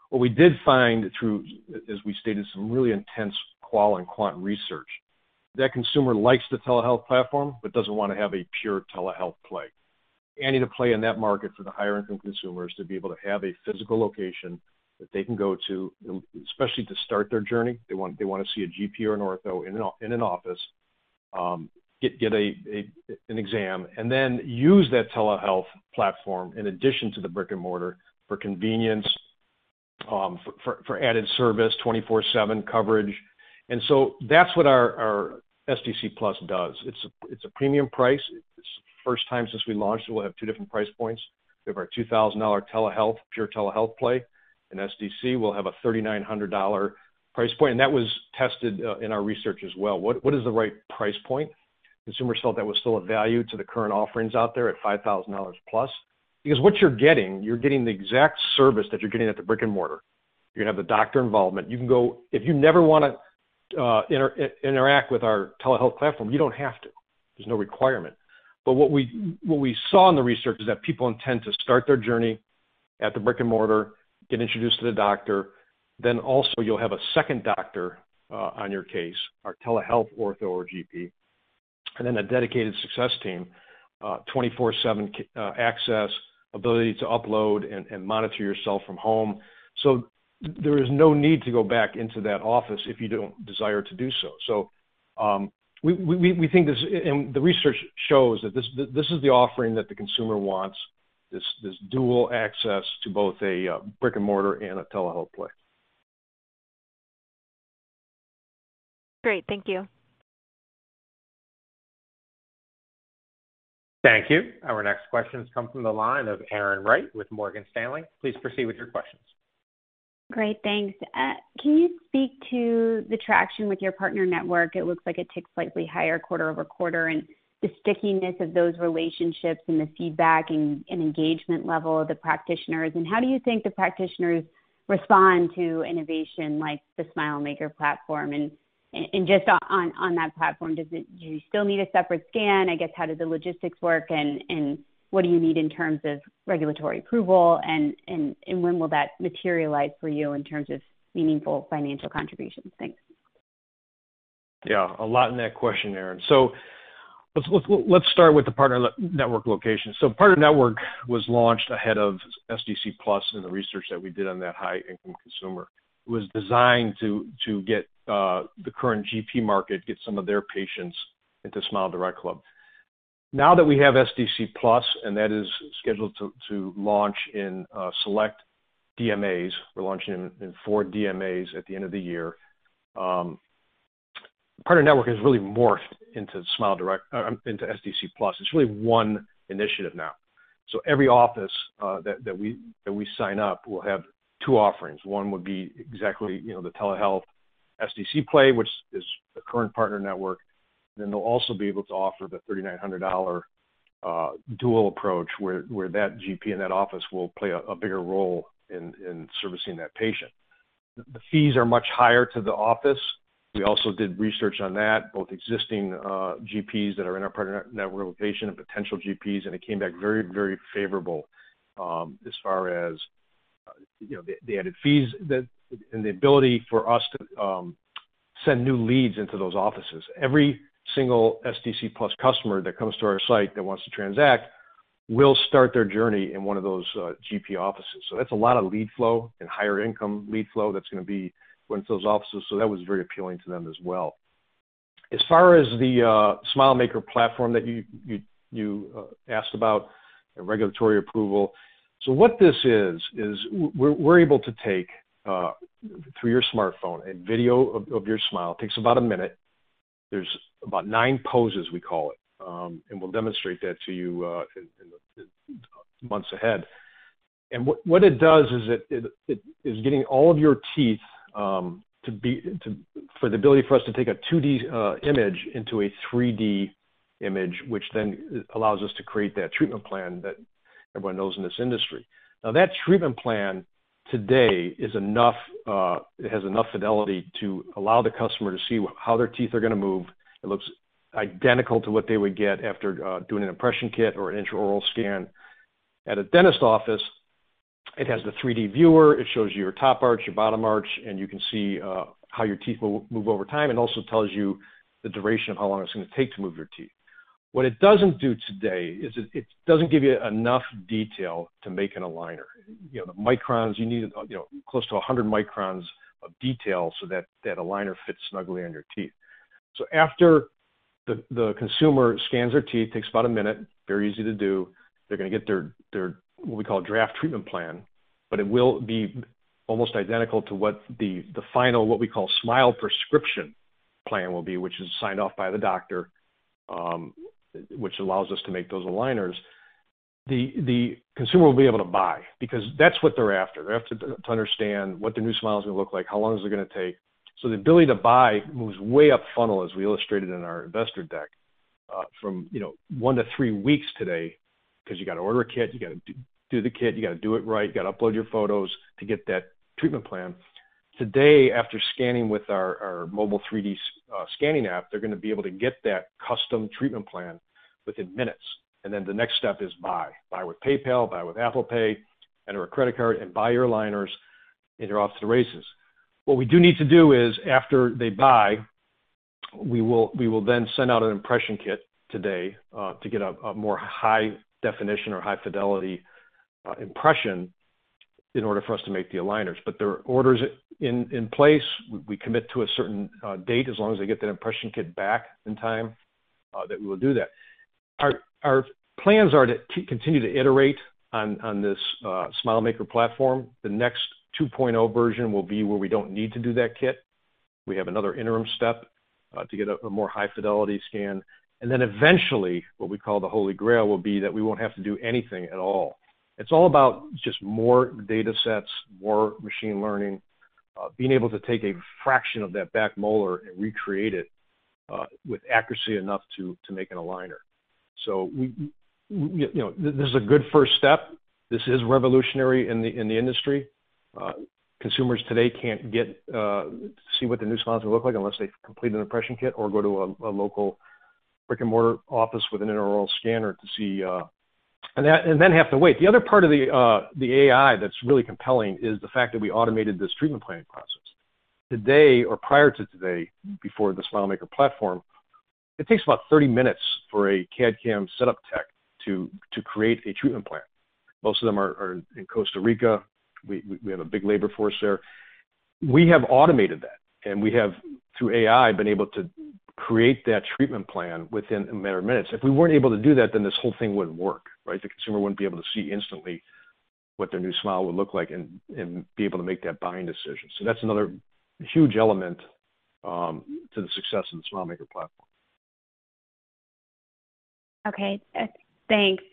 What we did find through, as we stated, some really intense qual and quant research, that consumer likes the telehealth platform but doesn't wanna have a pure telehealth play. To play in that market for the higher income consumers to be able to have a physical location that they can go to, especially to start their journey. They want to see a GP or an ortho in an office, get an exam and then use that telehealth platform in addition to the brick-and-mortar for convenience, for added service, 24/7 coverage. That's what our CarePlus does. It's a premium price. It's the first time since we launched that we'll have two different price points. We have our $2,000 telehealth, pure telehealth play, and CarePlus will have a $3,900 price point. That was tested in our research as well. What is the right price point? Consumers felt that was still a value to the current offerings out there at $5,000 plus. Because what you're getting, you're getting the exact service that you're getting at the brick-and-mortar. You're gonna have the doctor involvement. You can go. If you never wanna interact with our telehealth platform, you don't have to. There's no requirement. What we saw in the research is that people intend to start their journey at the brick-and-mortar, get introduced to the doctor, then also you'll have a second doctor on your case, our telehealth ortho or GP, and then a dedicated success team, 24/7 access, ability to upload and monitor yourself from home. There is no need to go back into that office if you don't desire to do so. We think this, and the research shows that this is the offering that the consumer wants, this dual access to both a brick-and-mortar and a telehealth play. Great. Thank you. Thank you. Our next question comes from the line of Erin Wright with Morgan Stanley. Please proceed with your questions. Great. Thanks. Can you speak to the traction with your partner network? It looks like it ticked slightly higher quarter-over-quarter, and the stickiness of those relationships and the feedback and engagement level of the practitioners? How do you think the practitioners respond to innovation like the SmileMaker platform? Just on that platform, do you still need a separate scan? I guess, how do the logistics work, and what do you need in terms of regulatory approval? When will that materialize for you in terms of meaningful financial contributions? Thanks. Yeah, a lot in that question, Erin. Let's start with the partner network location. Partner network was launched ahead of SDC Plus in the research that we did on that high income consumer. It was designed to get the current GP market, get some of their patients into SmileDirectClub. Now that we have SDC Plus, that is scheduled to launch in select DMAs. We're launching in four DMAs at the end of the year. Partner network has really morphed into SDC Plus. It's really one initiative now. Every office that we sign up will have two offerings. One would be exactly, you know, the telehealth SDC play, which is the current partner network. They'll also be able to offer the $3,900 dual approach, where that GP in that office will play a bigger role in servicing that patient. The fees are much higher to the office. We also did research on that, both existing GPs that are in our partner network location and potential GPs, and it came back very favorable, as far as the added fees that and the ability for us to send new leads into those offices. Every single SDC Plus customer that comes to our site that wants to transact will start their journey in one of those GP offices. That's a lot of lead flow and higher income lead flow that's gonna be going to those offices. That was very appealing to them as well. As far as the SmileMaker platform that you asked about and regulatory approval. What this is we're able to take through your smartphone a video of your smile. Takes about a minute. There's about nine poses we call it, and we'll demonstrate that to you in the months ahead. What it does is it is getting all of your teeth for the ability for us to take a 2D image into a 3D image, which then allows us to create that treatment plan that everyone knows in this industry. Now, that treatment plan today is enough, it has enough fidelity to allow the customer to see how their teeth are gonna move. It looks identical to what they would get after doing an impression kit or an intraoral scan. At a dentist office, it has the 3D viewer. It shows your top arch, your bottom arch, and you can see how your teeth will move over time, and also tells you the duration of how long it's gonna take to move your teeth. What it doesn't do today is it doesn't give you enough detail to make an aligner. You know, the microns you need, you know, close to 100 microns of detail so that that aligner fits snugly on your teeth. After the consumer scans their teeth, takes about a minute, very easy to do, they're gonna get their what we call draft treatment plan, but it will be almost identical to what the final, what we call smile prescription plan will be, which is signed off by the doctor, which allows us to make those aligners. The consumer will be able to buy because that's what they're after. They have to understand what their new smile is gonna look like, how long is it gonna take. The ability to buy moves way up funnel, as we illustrated in our investor deck, from you know one to three weeks today, 'cause you gotta order a kit, you gotta do the kit, you gotta do it right, you gotta upload your photos to get that treatment plan. Today, after scanning with our mobile 3D scanning app, they're gonna be able to get that custom treatment plan within minutes. Then the next step is buy with PayPal, buy with Apple Pay, enter a credit card, and buy your aligners, and you're off to the races. What we do need to do is, after they buy, we will then send out an impression kit today to get a more high definition or high fidelity impression in order for us to make the aligners. There are orders in place. We commit to a certain date as long as they get that impression kit back in time that we will do that. Our plans are to continue to iterate on this SmileMaker platform. The next 2.0 version will be where we don't need to do that kit. We have another interim step to get a more high fidelity scan. Then eventually, what we call the holy grail, will be that we won't have to do anything at all. It's all about just more datasets, more machine learning, being able to take a fraction of that back molar and recreate it with accuracy enough to make an aligner. You know, this is a good first step. This is revolutionary in the industry. Consumers today can't get to see what the new smiles look like unless they've completed an impression kit or go to a local brick-and-mortar office with an intraoral scanner to see, and then have to wait. The other part of the AI that's really compelling is the fact that we automated this treatment planning process. Today, or prior to today, before the SmileMaker platform, it takes about 30 minutes for a CAD/CAM setup tech to create a treatment plan. Most of them are in Costa Rica. We have a big labor force there. We have automated that, and we have, through AI, been able to create that treatment plan within a matter of minutes. If we weren't able to do that, then this whole thing wouldn't work, right? The consumer wouldn't be able to see instantly what their new smile would look like and be able to make that buying decision. That's another huge element to the success of the SmileMaker platform. Okay. Thanks.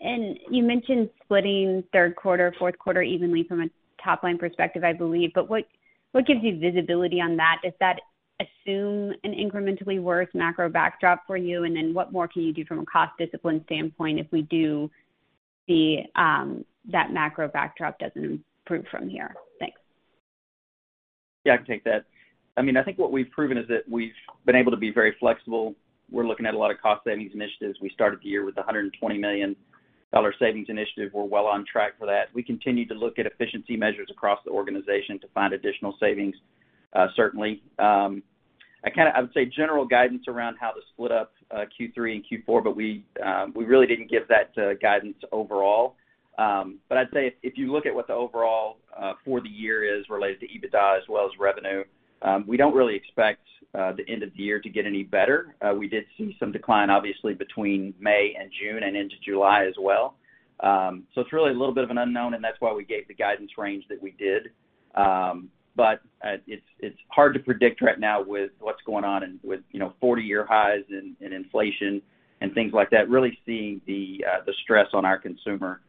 You mentioned splitting third quarter, fourth quarter evenly from a top-line perspective, I believe. What gives you visibility on that? Does that assume an incrementally worse macro backdrop for you? What more can you do from a cost discipline standpoint if we do see that macro backdrop doesn't improve from here? Thanks. Yeah, I can take that. I mean, I think what we've proven is that we've been able to be very flexible. We're looking at a lot of cost savings initiatives. We started the year with a $120 million savings initiative. We're well on track for that. We continue to look at efficiency measures across the organization to find additional savings, certainly. I would say general guidance around how to split up Q3 and Q4, but we really didn't give that guidance overall. But I'd say if you look at what the overall for the year is related to EBITDA as well as revenue, we don't really expect the end of the year to get any better. We did see some decline, obviously, between May and June and into July as well. It's really a little bit of an unknown, and that's why we gave the guidance range that we did. It's hard to predict right now with what's going on and with, you know, 40-year highs and inflation and things like that, really seeing the stress on our consumer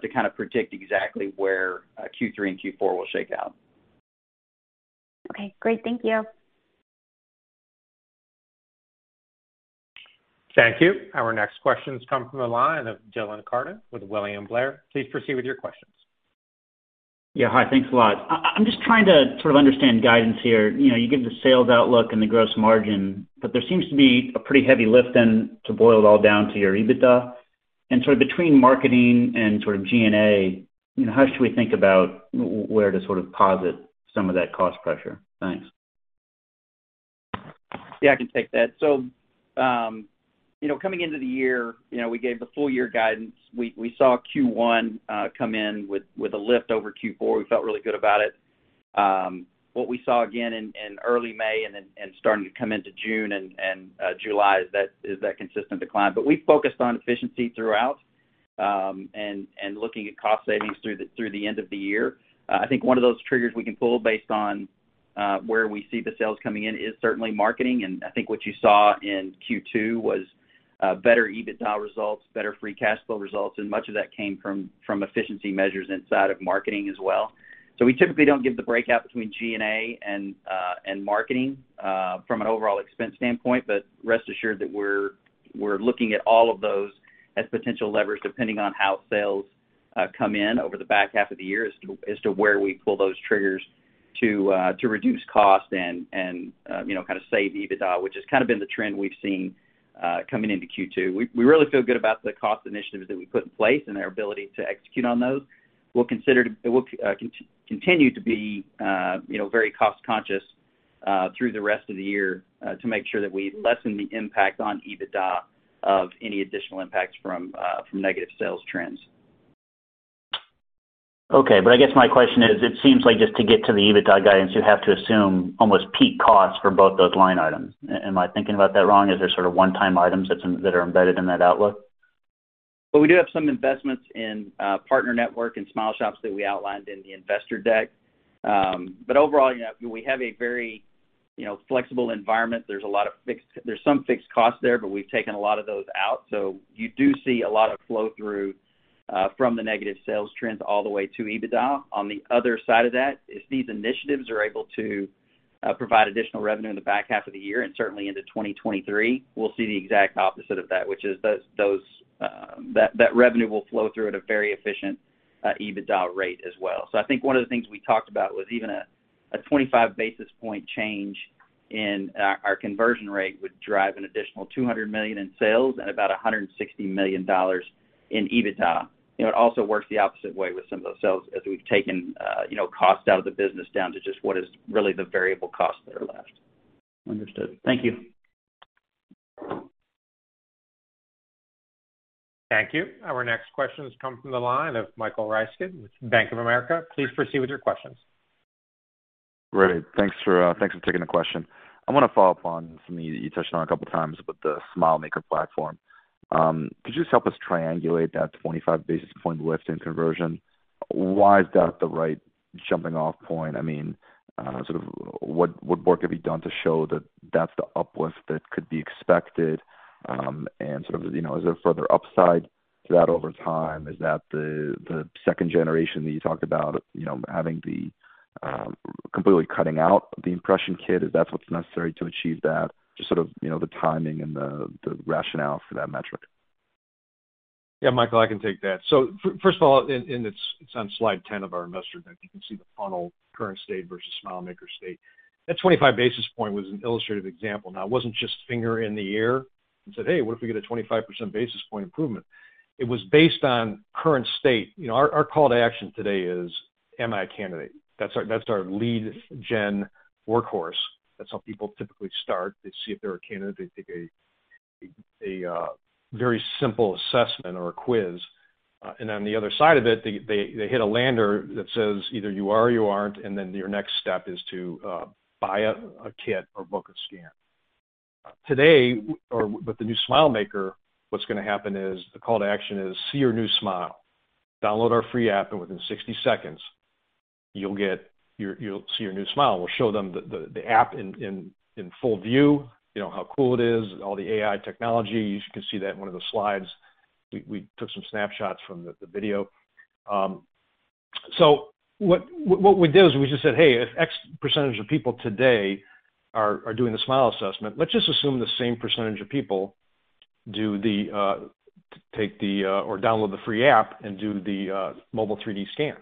to kind of predict exactly where Q3 and Q4 will shake out. Okay, great. Thank you. Thank you. Our next questions come from the line of Dylan Carden with William Blair. Please proceed with your questions. Yeah, hi. Thanks a lot. I'm just trying to sort of understand guidance here. You know, you give the sales outlook and the gross margin, but there seems to be a pretty heavy lift then to boil it all down to your EBITDA. Sort of between marketing and sort of G&A, you know, how should we think about where to sort of posit some of that cost pressure? Thanks. Yeah, I can take that. You know, coming into the year, you know, we gave the full year guidance. We saw Q1 come in with a lift over Q4. We felt really good about it. What we saw again in early May and then starting to come into June and July is that consistent decline. We focused on efficiency throughout and looking at cost savings through the end of the year. I think one of those triggers we can pull based on where we see the sales coming in is certainly marketing. I think what you saw in Q2 was better EBITDA results, better free cash flow results, and much of that came from efficiency measures inside of marketing as well. We typically don't give the breakout between G&A and marketing from an overall expense standpoint. Rest assured that we're looking at all of those as potential levers depending on how sales come in over the back half of the year as to where we pull those triggers to reduce cost and you know kind of save EBITDA, which has kind of been the trend we've seen coming into Q2. We really feel good about the cost initiatives that we put in place and our ability to execute on those. We'll continue to be you know very cost conscious through the rest of the year to make sure that we lessen the impact on EBITDA of any additional impacts from negative sales trends. Okay. I guess my question is, it seems like just to get to the EBITDA guidance, you have to assume almost peak costs for both those line items. Am I thinking about that wrong? Is there sort of one-time items that are embedded in that outlook? Well, we do have some investments in partner network and SmileShops that we outlined in the investor deck. Overall, you know, we have a very, you know, flexible environment. There's some fixed costs there, but we've taken a lot of those out. You do see a lot of flow through from the negative sales trends all the way to EBITDA. On the other side of that, if these initiatives are able to provide additional revenue in the back half of the year and certainly into 2023, we'll see the exact opposite of that, which is that revenue will flow through at a very efficient EBITDA rate as well. I think one of the things we talked about was even a 25 basis point change in our conversion rate would drive an additional $200 million in sales and about $160 million in EBITDA. You know, it also works the opposite way with some of those sales as we've taken you know cost out of the business down to just what is really the variable costs that are left. Understood. Thank you. Thank you. Our next question comes from the line of Michael Ryskin with Bank of America. Please proceed with your questions. Great. Thanks for taking the question. I wanna follow up on something that you touched on a couple of times about the SmileMaker platform. Could you just help us triangulate that 25 basis point lift in conversion? Why is that the right jumping off point? I mean, sort of what work have you done to show that that's the uplift that could be expected? And sort of, you know, is there further upside to that over time? Is that the second generation that you talked about, you know, having the completely cutting out the impression kit, if that's what's necessary to achieve that, just sort of, you know, the timing and the rationale for that metric. Yeah, Michael, I can take that. First of all, it's on slide 10 of our investor deck. You can see the funnel, current state versus SmileMaker state. That 25 basis point was an illustrative example. Now it wasn't just finger in the air and said, "Hey, what if we get a 25 basis point improvement?" It was based on current state. You know, our call to action today is am I a candidate? That's our lead gen workhorse. That's how people typically start. They see if they're a candidate. They take a very simple assessment or a quiz. And on the other side of it, they hit a lander that says either you are or you aren't, and then your next step is to buy a kit or book a scan. Today, with the new SmileMaker, what's gonna happen is the call to action is see your new smile. Download our free app, and within 60 seconds, you'll see your new smile. We'll show them the app in full view. You know how cool it is, all the AI technology. You can see that in one of the slides. We took some snapshots from the video. What we did was we just said, "Hey, if X percentage of people today are doing the smile assessment, let's just assume the same percentage of people download the free app and do the mobile 3D scan."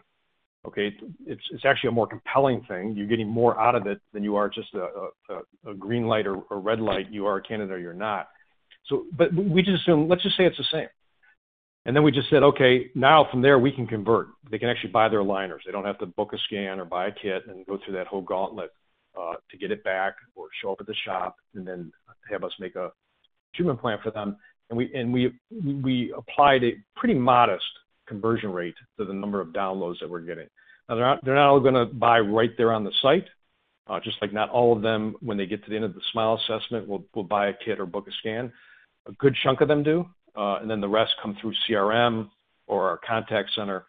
Okay. It's actually a more compelling thing. You're getting more out of it than you are just a green light or red light, you are a candidate or you're not. We just assume, let's just say it's the same. Then we just said, "Okay, now from there we can convert." They can actually buy their aligners. They don't have to book a scan or buy a kit and go through that whole gauntlet, to get it back or show up at the shop and then have us make a treatment plan for them. We applied a pretty modest conversion rate to the number of downloads that we're getting. Now they're not all gonna buy right there on the site, just like not all of them, when they get to the end of the smile assessment, will buy a kit or book a scan. A good chunk of them do, and then the rest come through CRM or our contact center.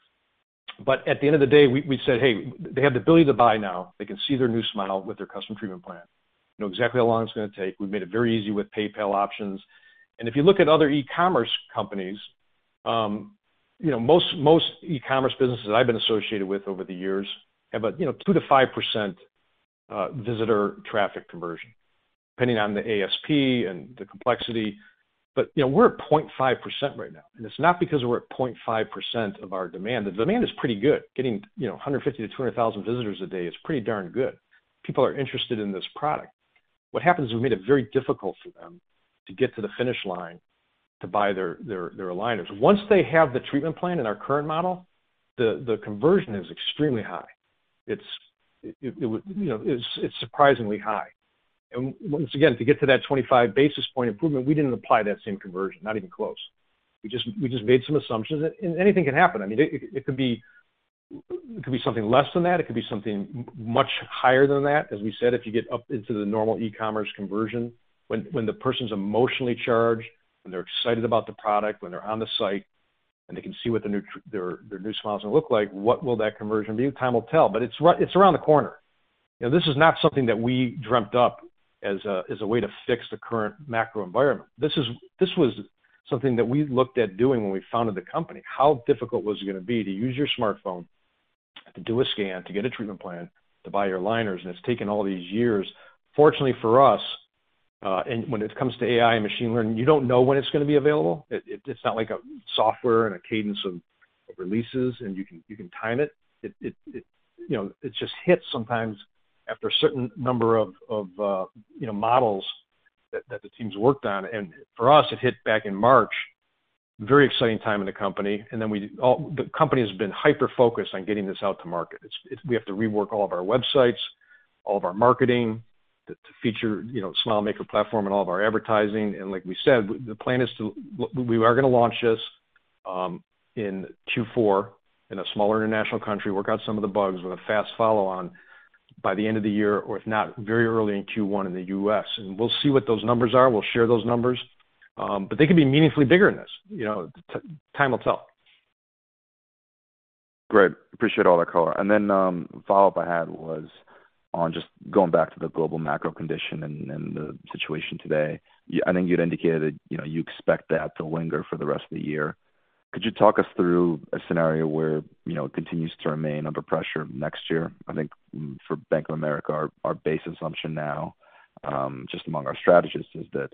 At the end of the day, we said, "Hey, they have the ability to buy now. They can see their new smile with their custom treatment plan, know exactly how long it's gonna take." We've made it very easy with PayPal options. If you look at other e-commerce companies, you know, most e-commerce businesses I've been associated with over the years have a 2% to 5% visitor traffic conversion, depending on the ASP and the complexity. You know, we're at 0.5% right now, and it's not because we're at 0.5% of our demand. The demand is pretty good. Getting, you know, 150,000-200,000 visitors a day is pretty darn good. People are interested in this product. What happens, we've made it very difficult for them to get to the finish line to buy their aligners. Once they have the treatment plan in our current model, the conversion is extremely high. It's surprisingly high. Once again, to get to that 25 basis point improvement, we didn't apply that same conversion, not even close. We just made some assumptions. Anything can happen. I mean, it could be something less than that. It could be something much higher than that. As we said, if you get up into the normal e-commerce conversion, when the person's emotionally charged and they're excited about the product, when they're on the site and they can see what their new smile's gonna look like, what will that conversion be? Time will tell, but it's around the corner. You know, this is not something that we dreamt up as a way to fix the current macro environment. This was something that we looked at doing when we founded the company. How difficult was it gonna be to use your smartphone to do a scan, to get a treatment plan, to buy your aligners? It's taken all these years. Fortunately for us, and when it comes to AI and machine learning, you don't know when it's gonna be available. It's not like a software and a cadence of releases, and you can time it. It, you know, it just hits sometimes after a certain number of models that the team's worked on. For us, it hit back in March. Very exciting time in the company. The company has been hyper-focused on getting this out to market. We have to rework all of our websites, all of our marketing to feature, you know, SmileMaker platform in all of our advertising. Like we said, the plan is to launch this in Q4 in a smaller international country, work out some of the bugs, with a fast follow-on by the end of the year or, if not, very early in Q1 in the U.S.. We'll see what those numbers are. We'll share those numbers. They could be meaningfully bigger than this. You know, time will tell. Great. Appreciate all that color. The follow-up I had was on just going back to the global macro condition and the situation today. I think you'd indicated, you know, you expect that to linger for the rest of the year. Could you talk us through a scenario where, you know, it continues to remain under pressure next year? I think for Bank of America, our base assumption now, just among our strategists, is that,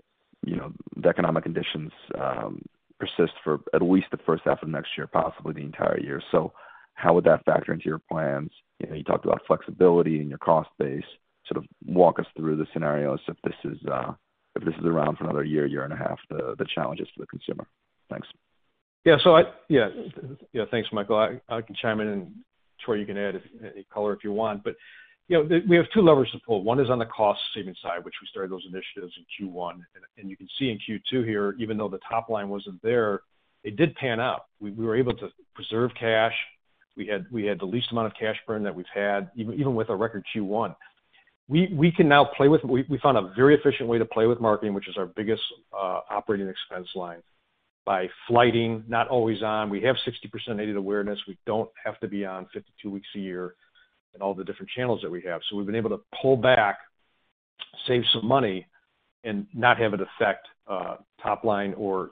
you know, the economic conditions persist for at least the first half of next year, possibly the entire year. How would that factor into your plans? You know, you talked about flexibility in your cost base. Sort of walk us through the scenarios if this is around for another year and a half, the challenges to the consumer. Thanks. Thanks, Michael. I can chime in and, Troy, you can add any color if you want. You know, the, we have two levers to pull. One is on the cost savings side, which we started those initiatives in Q1. You can see in Q2 here, even though the top line wasn't there, it did pan out. We were able to preserve cash. We had the least amount of cash burn that we've had, even with a record Q1. We can now play with. We found a very efficient way to play with marketing, which is our biggest operating expense line by flighting, not always on. We have 60% aided awareness. We don't have to be on 52 weeks a year in all the different channels that we have. We've been able to pull back, save some money, and not have it affect top line or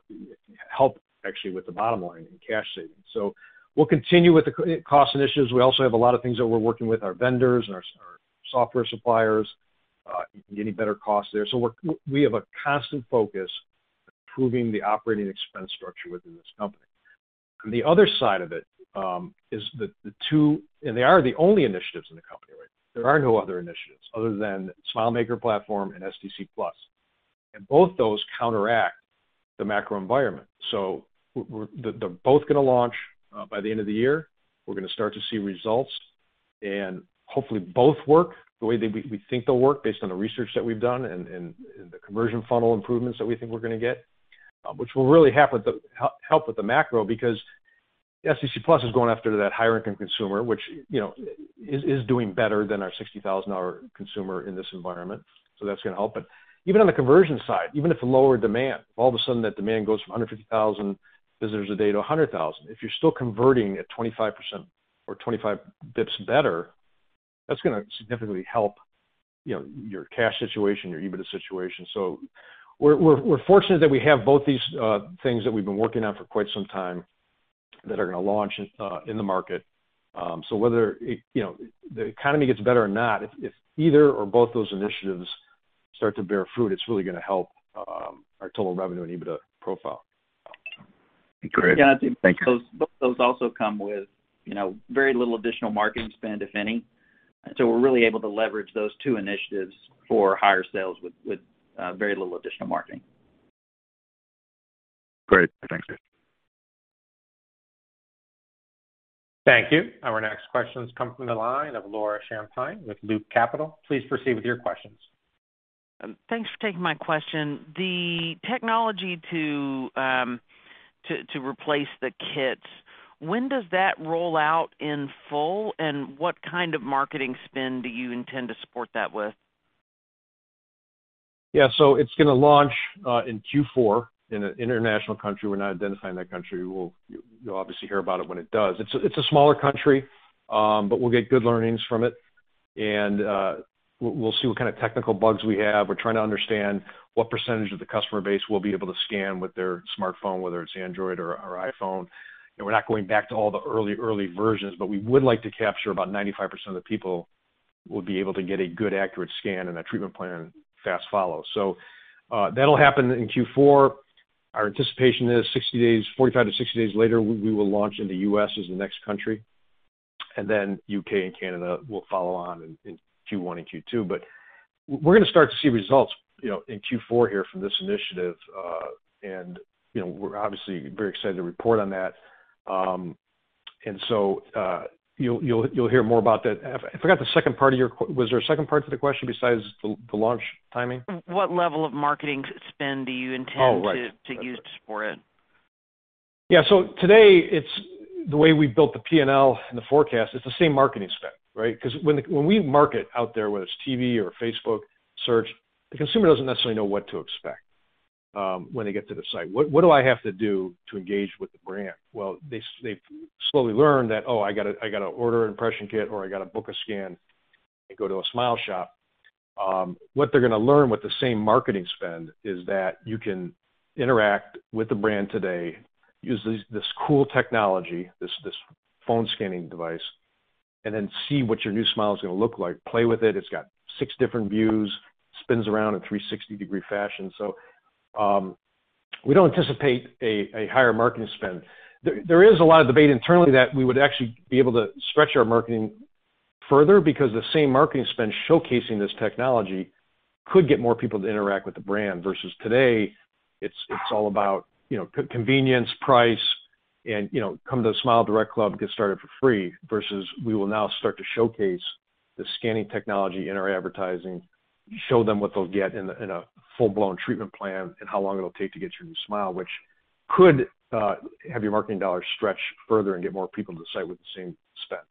help actually with the bottom line in cash savings. We'll continue with the cost initiatives. We also have a lot of things that we're working with our vendors and our software suppliers, getting better costs there. We have a constant focus on improving the operating expense structure within this company. On the other side of it is the two. They are the only initiatives in the company right now. There are no other initiatives other than SmileMaker platform and SDC Plus. Both those counteract the macro environment. They're both gonna launch by the end of the year. We're gonna start to see results, and hopefully both work the way that we think they'll work based on the research that we've done and the conversion funnel improvements that we think we're gonna get, which will really help with the macro because SDC Plus is going after that higher income consumer, which is doing better than our $60,000 consumer in this environment, so that's gonna help. Even on the conversion side, even if lower demand, all of a sudden that demand goes from 150,000 visitors a day to 100,000. If you're still converting at 25% or 25 basis points better, that's gonna significantly help your cash situation, your EBITDA situation. We're fortunate that we have both these things that we've been working on for quite some time that are gonna launch in the market. Whether it, you know, the economy gets better or not, if either or both those initiatives start to bear fruit, it's really gonna help our total revenue and EBITDA profile. Great. Thank you. Both those also come with, you know, very little additional marketing spend, if any. We're really able to leverage those two initiatives for higher sales with very little additional marketing. Great. Thanks. Thank you. Our next question comes from the line of Laura Champine with Loop Capital. Please proceed with your questions. Thanks for taking my question. The technology to replace the kits, when does that roll out in full, and what kind of marketing spend do you intend to support that with? Yeah. It's gonna launch in Q4 in an international country. We're not identifying that country. We'll. You'll obviously hear about it when it does. It's a smaller country, but we'll get good learnings from it. We'll see what kind of technical bugs we have. We're trying to understand what percentage of the customer base will be able to scan with their smartphone, whether it's Android or iPhone. We're not going back to all the early versions, but we would like to capture about 95% of the people will be able to get a good accurate scan and a treatment plan fast follow. That'll happen in Q4. Our anticipation is 60 days, 45 to 60 days later, we will launch in the U.S. as the next country, and then U.K. and Canada will follow on in Q1 and Q2. We're gonna start to see results, you know, in Q4 here from this initiative. You know, we're obviously very excited to report on that. You'll hear more about that. I forgot the second part of your question. Was there a second part to the question besides the launch timing? What level of marketing spend do you intend. Oh, right. To use for it? Yeah. Today it's the way we built the P&L and the forecast, it's the same marketing spend, right? 'Cause when we market out there, whether it's TV or Facebook, search, the consumer doesn't necessarily know what to expect, when they get to the site. What do I have to do to engage with the brand? Well, they've slowly learned that, "Oh, I gotta order an impression kit or I gotta book a scan and go to a SmileShop." What they're gonna learn with the same marketing spend is that you can interact with the brand today, use this cool technology, this phone scanning device, and then see what your new smile is gonna look like, play with it. It's got six different views, spins around in 360-degree fashion. We don't anticipate a higher marketing spend. There is a lot of debate internally that we would actually be able to stretch our marketing further because the same marketing spend showcasing this technology could get more people to interact with the brand versus today it's all about, you know, convenience, price and, you know, come to the SmileDirectClub, get started for free versus we will now start to showcase the scanning technology in our advertising, show them what they'll get in a full-blown treatment plan and how long it'll take to get your new smile, which could have your marketing dollar stretch further and get more people to the site with the same spend.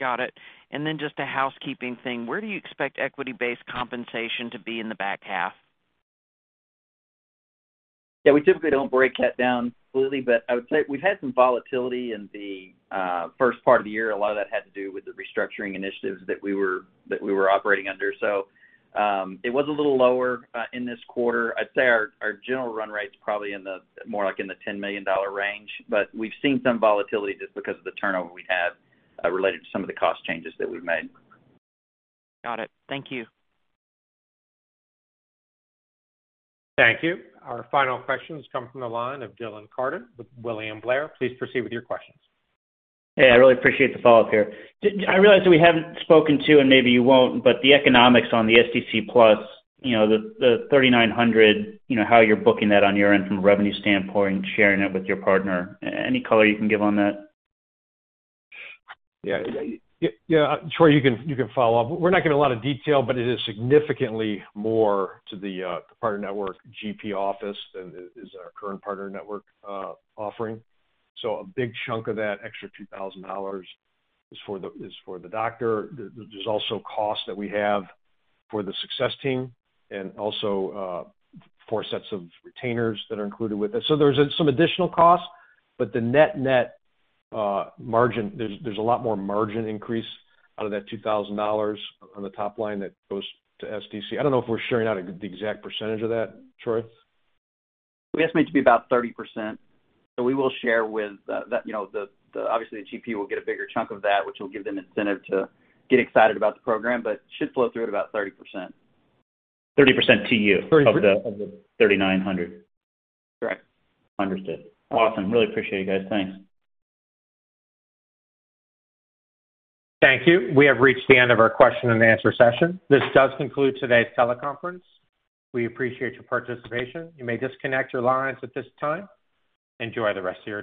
Got it. Just a housekeeping thing. Where do you expect equity-based compensation to be in the back half? Yeah, we typically don't break that down fully, but I would say we've had some volatility in the first part of the year. A lot of that had to do with the restructuring initiatives that we were operating under. It was a little lower in this quarter. I'd say our general run rate's probably more like in the $10 million range, but we've seen some volatility just because of the turnover we have related to some of the cost changes that we've made. Got it. Thank you. Thank you. Our final question comes from the line of Dylan Carden with William Blair. Please proceed with your questions. Hey, I really appreciate the follow-up here. I realize that we haven't spoken to, and maybe you won't, but the economics on the SDC Plus, you know, the $3,900, you know, how you're booking that on your end from a revenue standpoint, sharing it with your partner. Any color you can give on that? Yeah. Yeah, Troy, you can follow up. We're not giving a lot of detail, but it is significantly more to the partner network GP office than is our current partner network offering. A big chunk of that extra $2,000 is for the doctor. There's also costs that we have for the success team and also four sets of retainers that are included with it. There's some additional costs, but the net-net margin, there's a lot more margin increase out of that $2,000 on the top line that goes to SDC. I don't know if we're sharing out the exact percentage of that, Troy. We estimate it to be about 30%. We will share with the, you know, obviously, the GP will get a bigger chunk of that, which will give them incentive to get excited about the program, but it should flow through at about 30%. 30% to you. 30%. Of the, of the $3,900? Correct. Understood. Awesome. Really appreciate you guys. Thanks. Thank you. We have reached the end of our question and answer session. This does conclude today's teleconference. We appreciate your participation. You may disconnect your lines at this time. Enjoy the rest of your day.